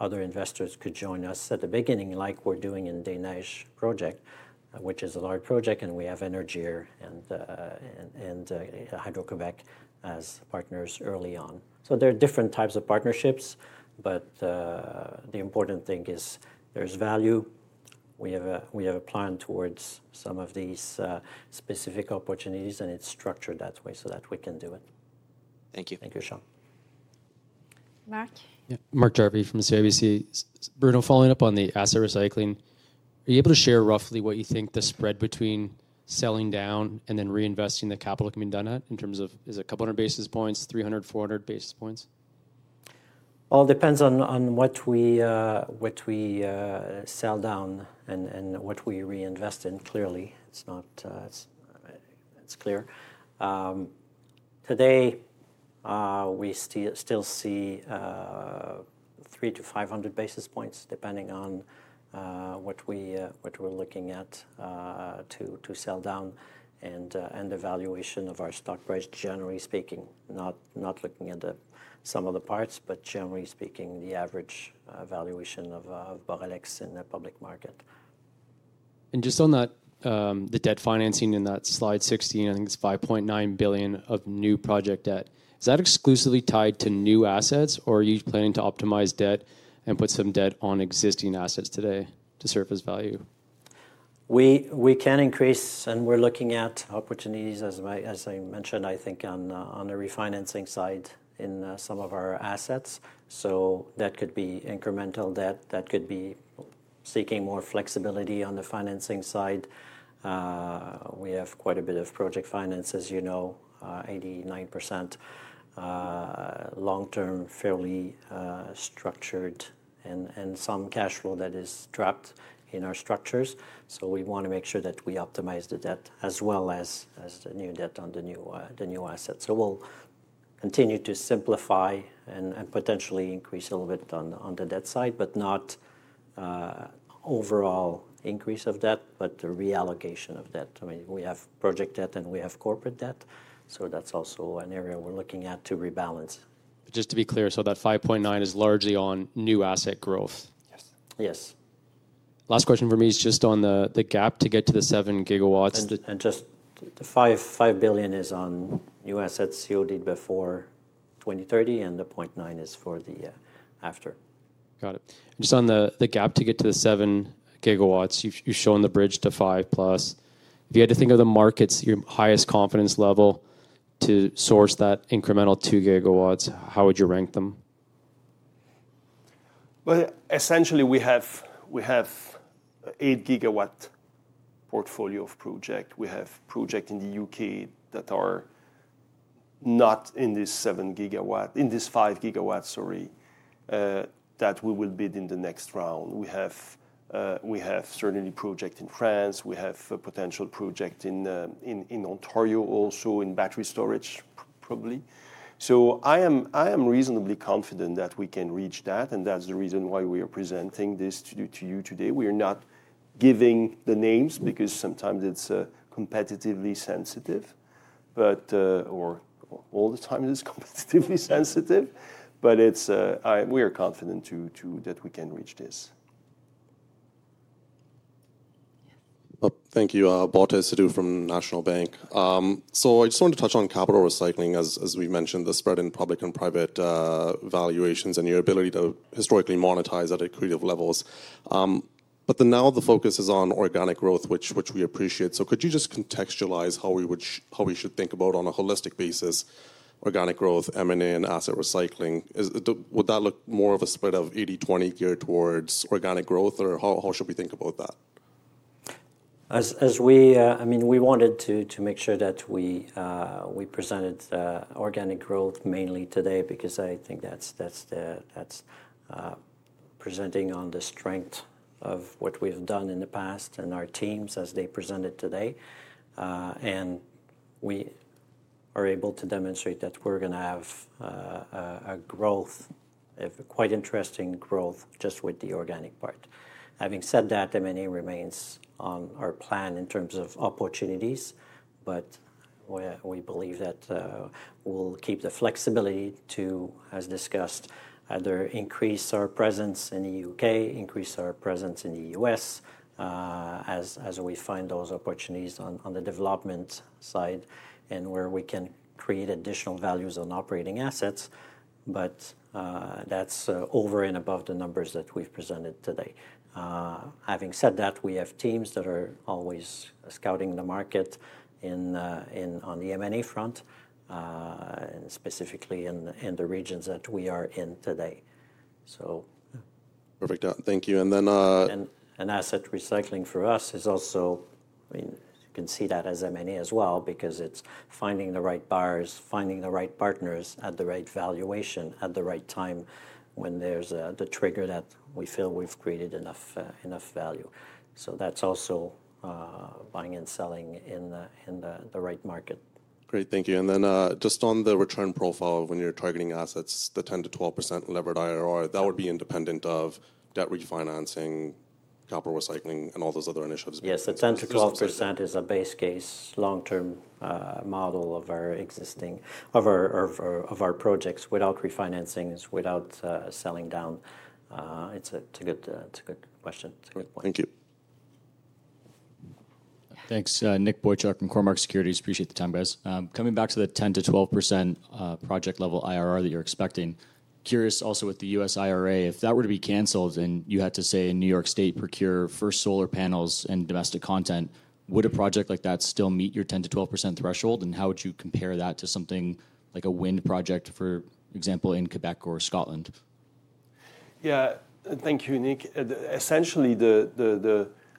S3: other investors could join us at the beginning, like we're doing in Des Neiges project, which is a large project, and we have Énergir and Hydro-Québec as partners early on. There are different types of partnerships, but the important thing is there's value. We have a plan towards some of these specific opportunities, and it's structured that way so that we can do it.
S12: Thank you.
S3: Thank you, Sean.
S1: Mark.
S13: Yeah, Mark Jarvi from CIBC. Bruno, following up on the asset recycling, are you able to share roughly what you think the spread between selling down and then reinvesting the capital can be done at in terms of, is it a couple of hundred basis points, 300, 400 basis points?
S3: All depends on what we sell down and what we reinvest in, clearly. It's clear. Today, we still see 300 basis points-500 basis points depending on what we're looking at to sell down and the valuation of our stock price, generally speaking, not looking at some of the parts, but generally speaking, the average valuation of Boralex in the public market.
S13: Just on the debt financing in that slide 16, I think it's 5.9 billion of new project debt. Is that exclusively tied to new assets, or are you planning to optimize debt and put some debt on existing assets today to surface value?
S3: We can increase, and we're looking at opportunities, as I mentioned, I think, on the refinancing side in some of our assets. That could be incremental debt. That could be seeking more flexibility on the financing side. We have quite a bit of project finance, as you know, 89%, long-term, fairly structured, and some cash flow that is trapped in our structures. We want to make sure that we optimize the debt as well as the new debt on the new assets. We'll continue to simplify and potentially increase a little bit on the debt side, but not overall increase of debt, but the reallocation of debt. I mean, we have project debt and we have corporate debt. That's also an area we're looking at to rebalance.
S13: Just to be clear, so that 5.9 billion is largely on new asset growth?
S3: Yes.
S13: Last question for me is just on the gap to get to the 7 GW.
S3: The 5 billion is on new assets COD before 2030, and the 0.9 billion is for the after.
S13: Got it. Just on the gap to get to the 7 GW, you've shown the bridge to 5+. If you had to think of the markets, your highest confidence level to source that incremental 2 GW, how would you rank them?
S2: Essentially, we have an 8 GW portfolio of projects. We have projects in the U.K. that are not in this 7 GW, in this 5 GW, sorry, that we will bid in the next round. We have certainly projects in France. We have a potential project in Ontario also in battery storage, probably. I am reasonably confident that we can reach that. That is the reason why we are presenting this to you today. We are not giving the names because sometimes it is competitively sensitive, or all the time it is competitively sensitive. We are confident that we can reach this.
S14: Thank you. Baltej Sidhu from National Bank. I just wanted to touch on capital recycling, as we mentioned, the spread in public and private valuations and your ability to historically monetize at equity levels. Now the focus is on organic growth, which we appreciate. Could you just contextualize how we should think about, on a holistic basis, organic growth, M&A, and asset recycling? Would that look more of a spread of 80/20 geared towards organic growth, or how should we think about that?
S3: I mean, we wanted to make sure that we presented organic growth mainly today because I think that's presenting on the strength of what we've done in the past and our teams as they present it today. We are able to demonstrate that we're going to have a growth, quite interesting growth just with the organic part. Having said that, M&A remains on our plan in terms of opportunities, but we believe that we'll keep the flexibility to, as discussed, either increase our presence in the U.K., increase our presence in the U.S. as we find those opportunities on the development side and where we can create additional values on operating assets. That's over and above the numbers that we've presented today. Having said that, we have teams that are always scouting the market on the M&A front, specifically in the regions that we are in today.
S14: Perfect. Thank you. Then.
S3: Asset recycling for us is also, I mean, you can see that as M&A as well because it's finding the right buyers, finding the right partners at the right valuation at the right time when there's the trigger that we feel we've created enough value. That's also buying and selling in the right market.
S14: Great. Thank you. And then just on the return profile when you're targeting assets, the 10%-12% levered IRR, that would be independent of debt refinancing, capital recycling, and all those other initiatives.
S3: Yes, the 10%-12% is a base case long-term model of our existing projects without refinancings, without selling down. It's a good question.
S14: Thank you.
S15: Thanks. Nick Boychuk from Cormark Securities. Appreciate the time, guys. Coming back to the 10%-12% project level IRR that you're expecting. Curious also with the U.S. IRA, if that were to be canceled and you had to, say, in New York State procure First Solar panels and domestic content, would a project like that still meet your 10%-12% threshold? How would you compare that to something like a wind project, for example, in Québec or Scotland?
S2: Yeah, thank you, Nick. Essentially,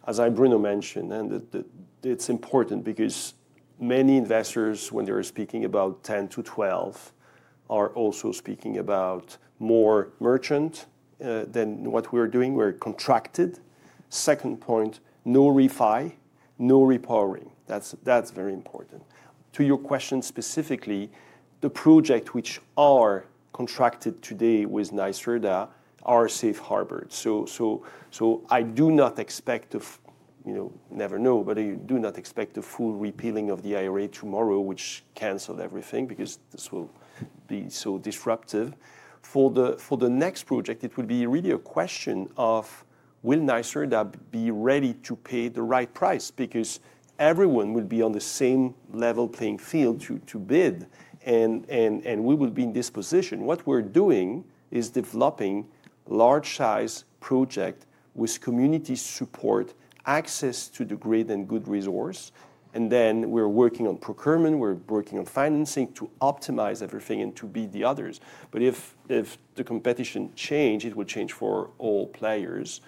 S2: as Bruno mentioned, and it's important because many investors, when they're speaking about 10%-12%, are also speaking about more merchant than what we're doing. We're contracted. Second point, no refi, no repowering. That's very important. To your question specifically, the projects which are contracted today with NYSERDA are safe harbored. I do not expect to, never know, but I do not expect a full repealing of the IRA tomorrow, which canceled everything because this will be so disruptive. For the next project, it would be really a question of, will NYSERDA be ready to pay the right price? Because everyone will be on the same level playing field to bid, and we will be in this position. What we're doing is developing large-size projects with community support, access to the grid, and good resource. Then we're working on procurement. We're working on financing to optimize everything and to beat the others. If the competition changed, it will change for all players.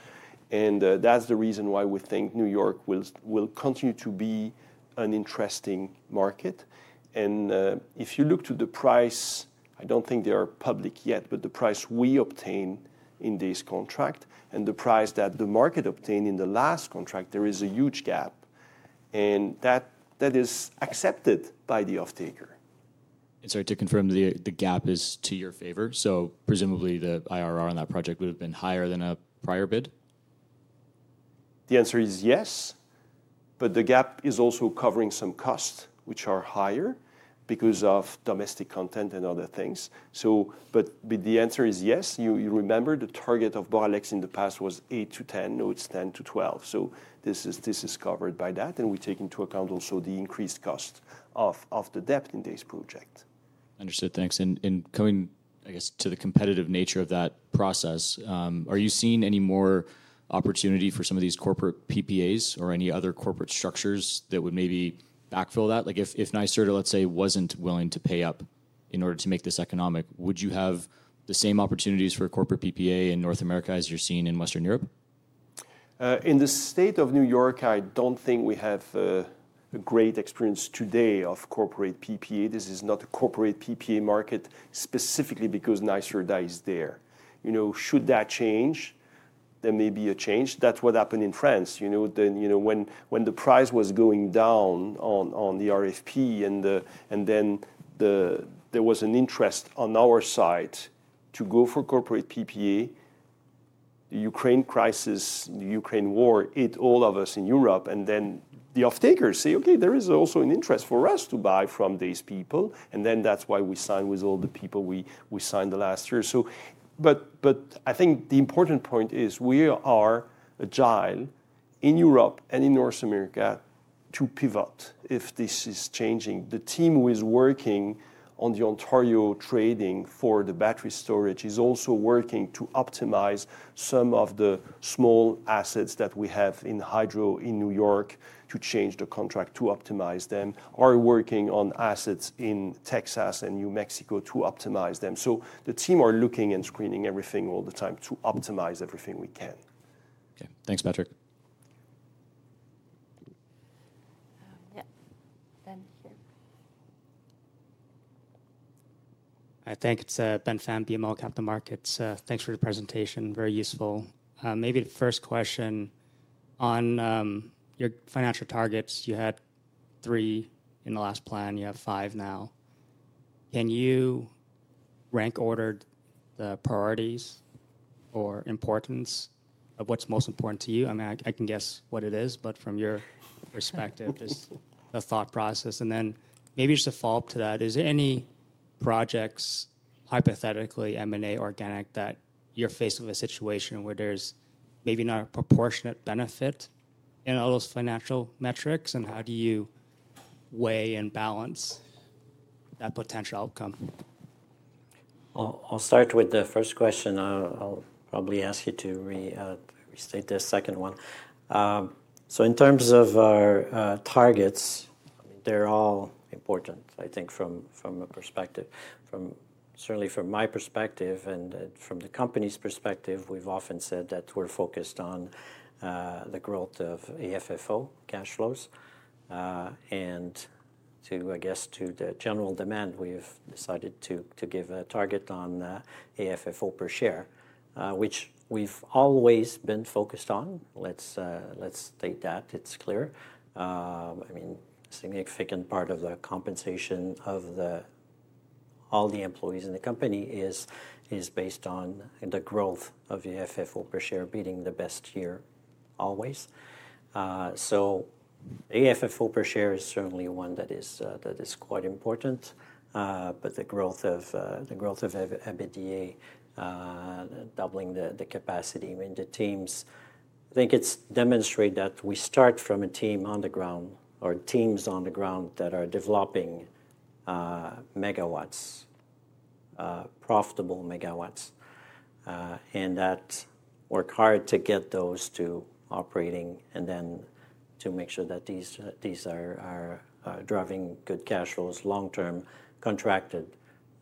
S2: That is the reason why we think New York will continue to be an interesting market. If you look to the price, I don't think they are public yet, but the price we obtain in this contract and the price that the market obtained in the last contract, there is a huge gap. That is accepted by the off-taker.
S15: Sorry to confirm, the gap is to your favor. So presumably, the IRR on that project would have been higher than a prior bid?
S2: The answer is yes, but the gap is also covering some costs, which are higher because of domestic content and other things. The answer is yes. You remember the target of Boralex in the past was 8%-10%, now it's 10%-12%. This is covered by that. We take into account also the increased cost of the debt in this project.
S15: Understood. Thanks. Coming, I guess, to the competitive nature of that process, are you seeing any more opportunity for some of these corporate PPAs or any other corporate structures that would maybe backfill that? If NYSERDA, let's say, was not willing to pay up in order to make this economic, would you have the same opportunities for a corporate PPA in North America as you are seeing in Western Europe?
S2: In the state of New York, I don't think we have a great experience today of corporate PPA. This is not a corporate PPA market specifically because NYSERDA is there. Should that change, there may be a change. That's what happened in France. When the price was going down on the RFP and then there was an interest on our side to go for corporate PPA, the Ukraine crisis, the Ukraine war, it all of us in Europe. The off-takers say, "Okay, there is also an interest for us to buy from these people." That's why we signed with all the people we signed last year. I think the important point is we are agile in Europe and in North America to pivot if this is changing. The team who is working on the Ontario trading for the battery storage is also working to optimize some of the small assets that we have in hydro in New York to change the contract to optimize them. Are working on assets in Texas and New Mexico to optimize them. The team are looking and screening everything all the time to optimize everything we can.
S15: Okay. Thanks, Patrick.
S1: Yeah. Ben here.
S16: I think it's Ben Pham, BMO Capital Markets. Thanks for the presentation. Very useful. Maybe the first question on your financial targets, you had three in the last plan. You have five now. Can you rank order the priorities or importance of what's most important to you? I mean, I can guess what it is, but from your perspective, just the thought process. And then maybe just a follow-up to that, is there any projects, hypothetically, M&A organic, that you're faced with a situation where there's maybe not a proportionate benefit in all those financial metrics? And how do you weigh and balance that potential outcome?
S3: I'll start with the first question. I'll probably ask you to restate the second one. In terms of our targets, they're all important, I think, from a perspective. Certainly, from my perspective and from the company's perspective, we've often said that we're focused on the growth of AFFO cash flows. I guess to the general demand, we've decided to give a target on AFFO per share, which we've always been focused on. Let's state that. It's clear. I mean, a significant part of the compensation of all the employees in the company is based on the growth of AFFO per share, beating the best year always. AFFO per share is certainly one that is quite important. The growth of EBITDA, doubling the capacity in the teams, I think it's demonstrated that we start from a team on the ground or teams on the ground that are developing megawatts, profitable megawatts, and that work hard to get those to operating and then to make sure that these are driving good cash flows long-term, contracted,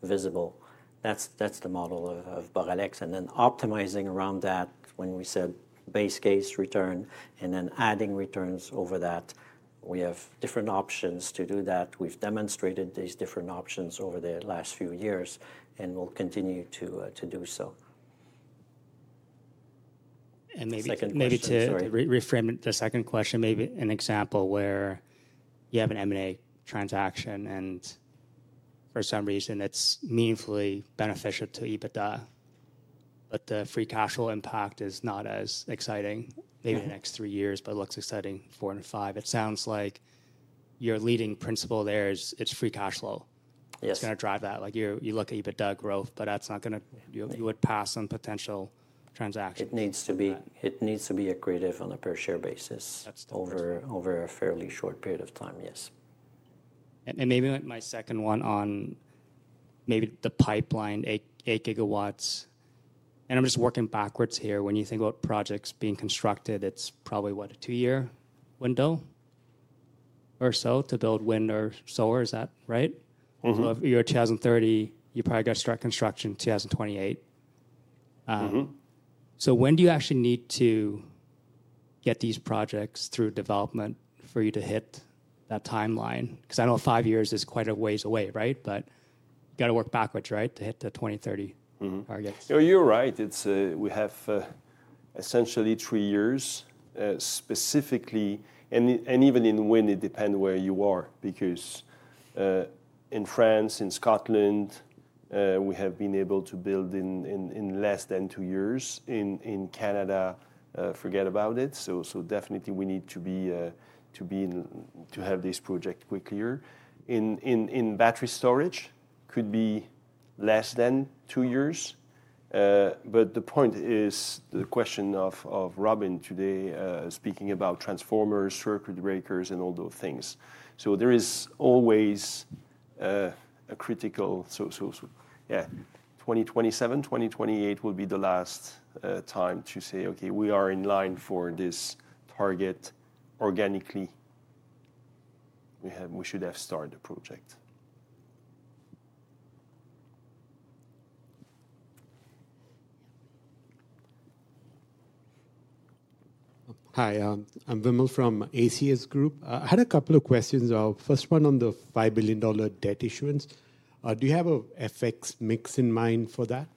S3: visible. That's the model of Boralex. Then optimizing around that when we said base case return and then adding returns over that, we have different options to do that. We've demonstrated these different options over the last few years and will continue to do so.
S16: Maybe to reframe the second question, maybe an example where you have an M&A transaction and for some reason it's meaningfully beneficial to EBITDA, but the free cash flow impact is not as exciting maybe in the next three years, but it looks exciting four and five. It sounds like your leading principle there is it's free cash flow. It's going to drive that. You look at EBITDA growth, but that's not going to—you would pass on potential transaction.
S2: It needs to be accretive on a per-share basis over a fairly short period of time. Yes.
S16: Maybe my second one on maybe the pipeline, eight GW. I'm just working backwards here. When you think about projects being constructed, it's probably what, a two-year window or so to build wind or solar, is that right? If you're 2030, you probably got to start construction 2028. When do you actually need to get these projects through development for you to hit that timeline? I know five years is quite a ways away, right? You got to work backwards, right, to hit the 2030 target.
S2: You're right. We have essentially three years specifically. And even in wind, it depends where you are. Because in France, in Scotland, we have been able to build in less than two years. In Canada, forget about it. So definitely we need to have these projects quickly. In battery storage, it could be less than two years. But the point is the question of Robin today speaking about transformers, circuit breakers, and all those things. So there is always a critical yeah, 2027, 2028 will be the last time to say, "Okay, we are in line for this target organically. We should have started the project. Hi. I'm Vimil from ACS Group. I had a couple of questions. First one on the 5 billion dollar debt issuance. Do you have an FX mix in mind for that?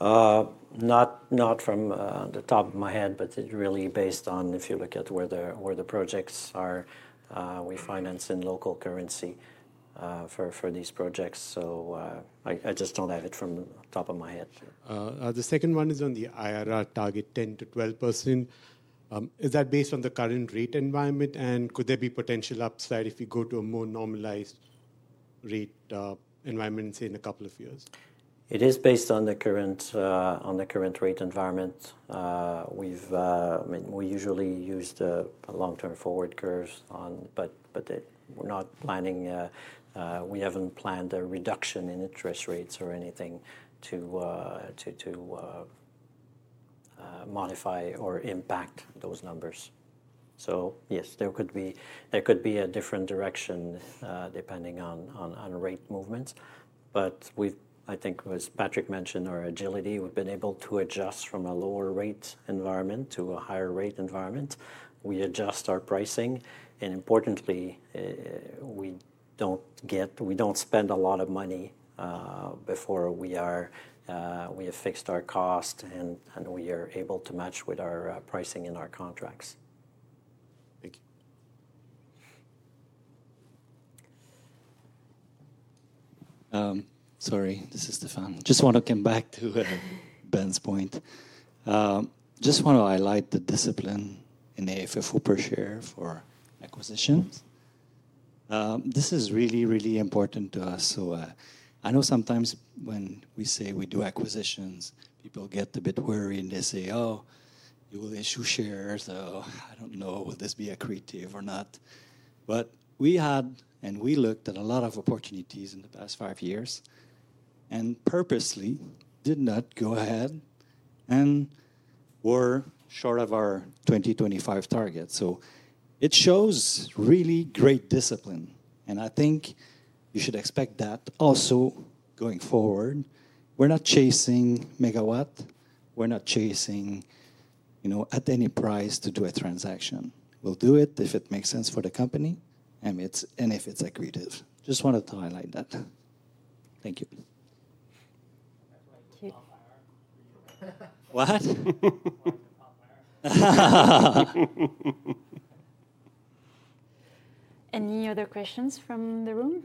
S3: Not from the top of my head, but it's really based on if you look at where the projects are, we finance in local currency for these projects. So I just don't have it from the top of my head. The second one is on the IRR target, 10%-12%. Is that based on the current rate environment? Could there be potential upside if we go to a more normalized rate environment in a couple of years? It is based on the current rate environment. We usually use the long-term forward curves, but we're not planning, we haven't planned a reduction in interest rates or anything to modify or impact those numbers. Yes, there could be a different direction depending on rate movements. I think, as Patrick mentioned, our agility, we've been able to adjust from a lower rate environment to a higher rate environment. We adjust our pricing. Importantly, we don't spend a lot of money before we have fixed our cost and we are able to match with our pricing in our contracts. Thank you.
S17: Sorry, this is Stéphane. Just want to come back to Ben's point. Just want to highlight the discipline in the AFFO per share for acquisitions. This is really, really important to us. I know sometimes when we say we do acquisitions, people get a bit worried and they say, "Oh, you will issue shares." I do not know. Will this be accretive or not? We had and we looked at a lot of opportunities in the past five years and purposely did not go ahead and were short of our 2025 target. It shows really great discipline. I think you should expect that also going forward. We are not chasing megawatt. We are not chasing at any price to do a transaction. We will do it if it makes sense for the company and if it is accretive. Just wanted to highlight that. Thank you.
S1: What? Any other questions from the room?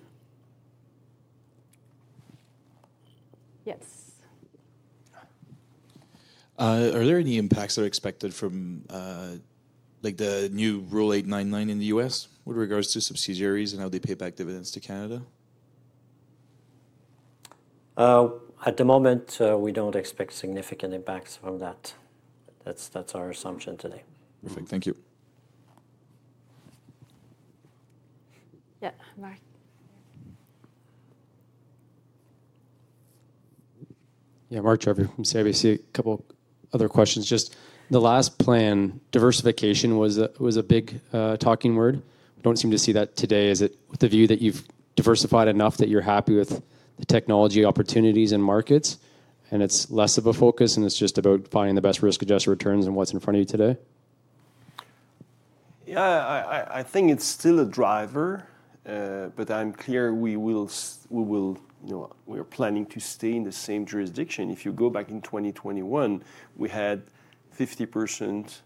S1: Yes. Are there any impacts that are expected from the new Rule 899 in the U.S. with regards to subsidiaries and how they pay back dividends to Canada?
S3: At the moment, we don't expect significant impacts from that. That's our assumption today. Perfect. Thank you.
S1: Yeah. Mark.
S13: Yeah. Mark Jarvi from CIBC. I'm sorry. I see a couple of other questions. Just the last plan, diversification was a big talking word. I don't seem to see that today. Is it the view that you've diversified enough that you're happy with the technology opportunities and markets and it's less of a focus and it's just about finding the best risk-adjusted returns and what's in front of you today?
S2: Yeah. I think it's still a driver, but I'm clear we are planning to stay in the same jurisdiction. If you go back in 2021, we had 50%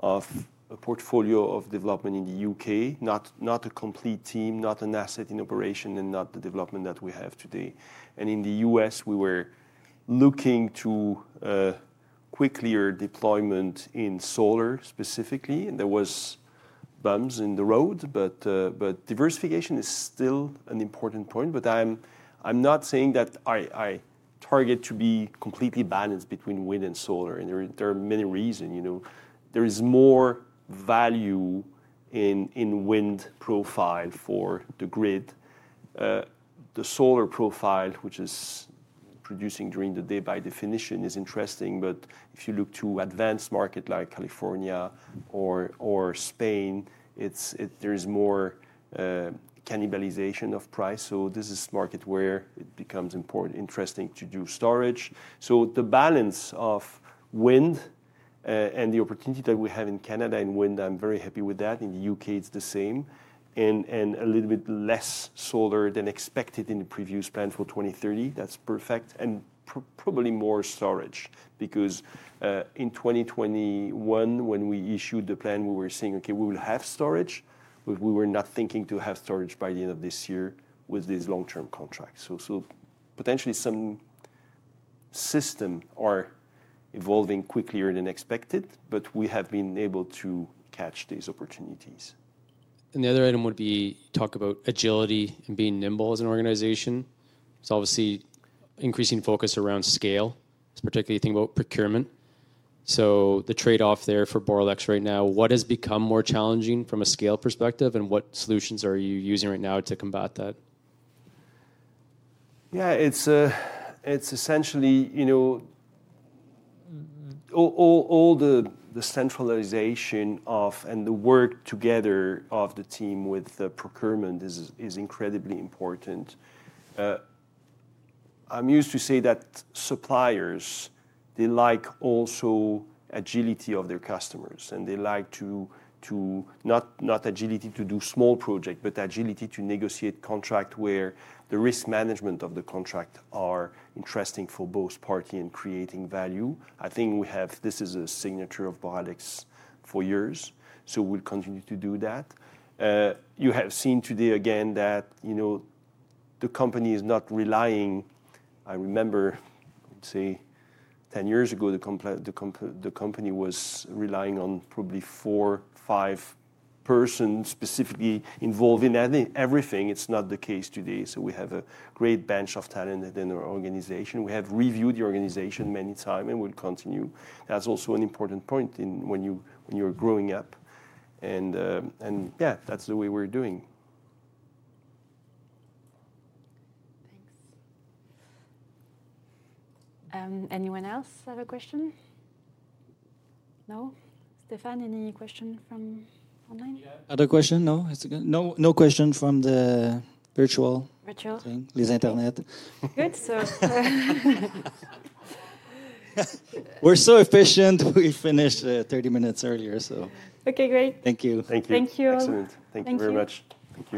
S2: of a portfolio of development in the U.K., not a complete team, not an asset in operation, and not the development that we have today. In the U.S., we were looking to quickly deployment in solar specifically. There were bumps in the road, but diversification is still an important point. I'm not saying that I target to be completely balanced between wind and solar. There are many reasons. There is more value in wind profile for the grid. The solar profile, which is producing during the day by definition, is interesting. If you look to advanced market like California or Spain, there is more cannibalization of price. This is a market where it becomes interesting to do storage. The balance of wind and the opportunity that we have in Canada in wind, I'm very happy with that. In the U.K., it's the same. And a little bit less solar than expected in the previous plan for 2030. That's perfect. And probably more storage. Because in 2021, when we issued the plan, we were saying, "Okay, we will have storage," but we were not thinking to have storage by the end of this year with these long-term contracts. Potentially some systems are evolving quickly than expected, but we have been able to catch these opportunities.
S13: The other item would be talk about agility and being nimble as an organization. It's obviously increasing focus around scale. It's particularly thinking about procurement. The trade-off there for Boralex right now, what has become more challenging from a scale perspective and what solutions are you using right now to combat that?
S2: Yeah. It's essentially all the centralization and the work together of the team with the procurement is incredibly important. I'm used to say that suppliers, they like also agility of their customers and they like to not agility to do small projects, but agility to negotiate contract where the risk management of the contract is interesting for both parties in creating value. I think this is a signature of Boralex for years. We will continue to do that. You have seen today again that the company is not relying, I remember, I'd say 10 years ago, the company was relying on probably four, five persons specifically involved in everything. It's not the case today. We have a great bench of talent within our organization. We have reviewed the organization many times and we will continue. That's also an important point when you're growing up. Yeah, that's the way we're doing.
S1: Thanks. Anyone else have a question? No? Stéphane, any question from online?
S17: Other question? No? No question from the virtual thing?
S1: Virtual. Good. So.
S17: We're so efficient. We finished 30 minutes earlier, so.
S1: Okay. Great.
S17: Thank you.
S2: Thank you.
S1: Thank you.
S2: Excellent. Thank you very much. Thank you.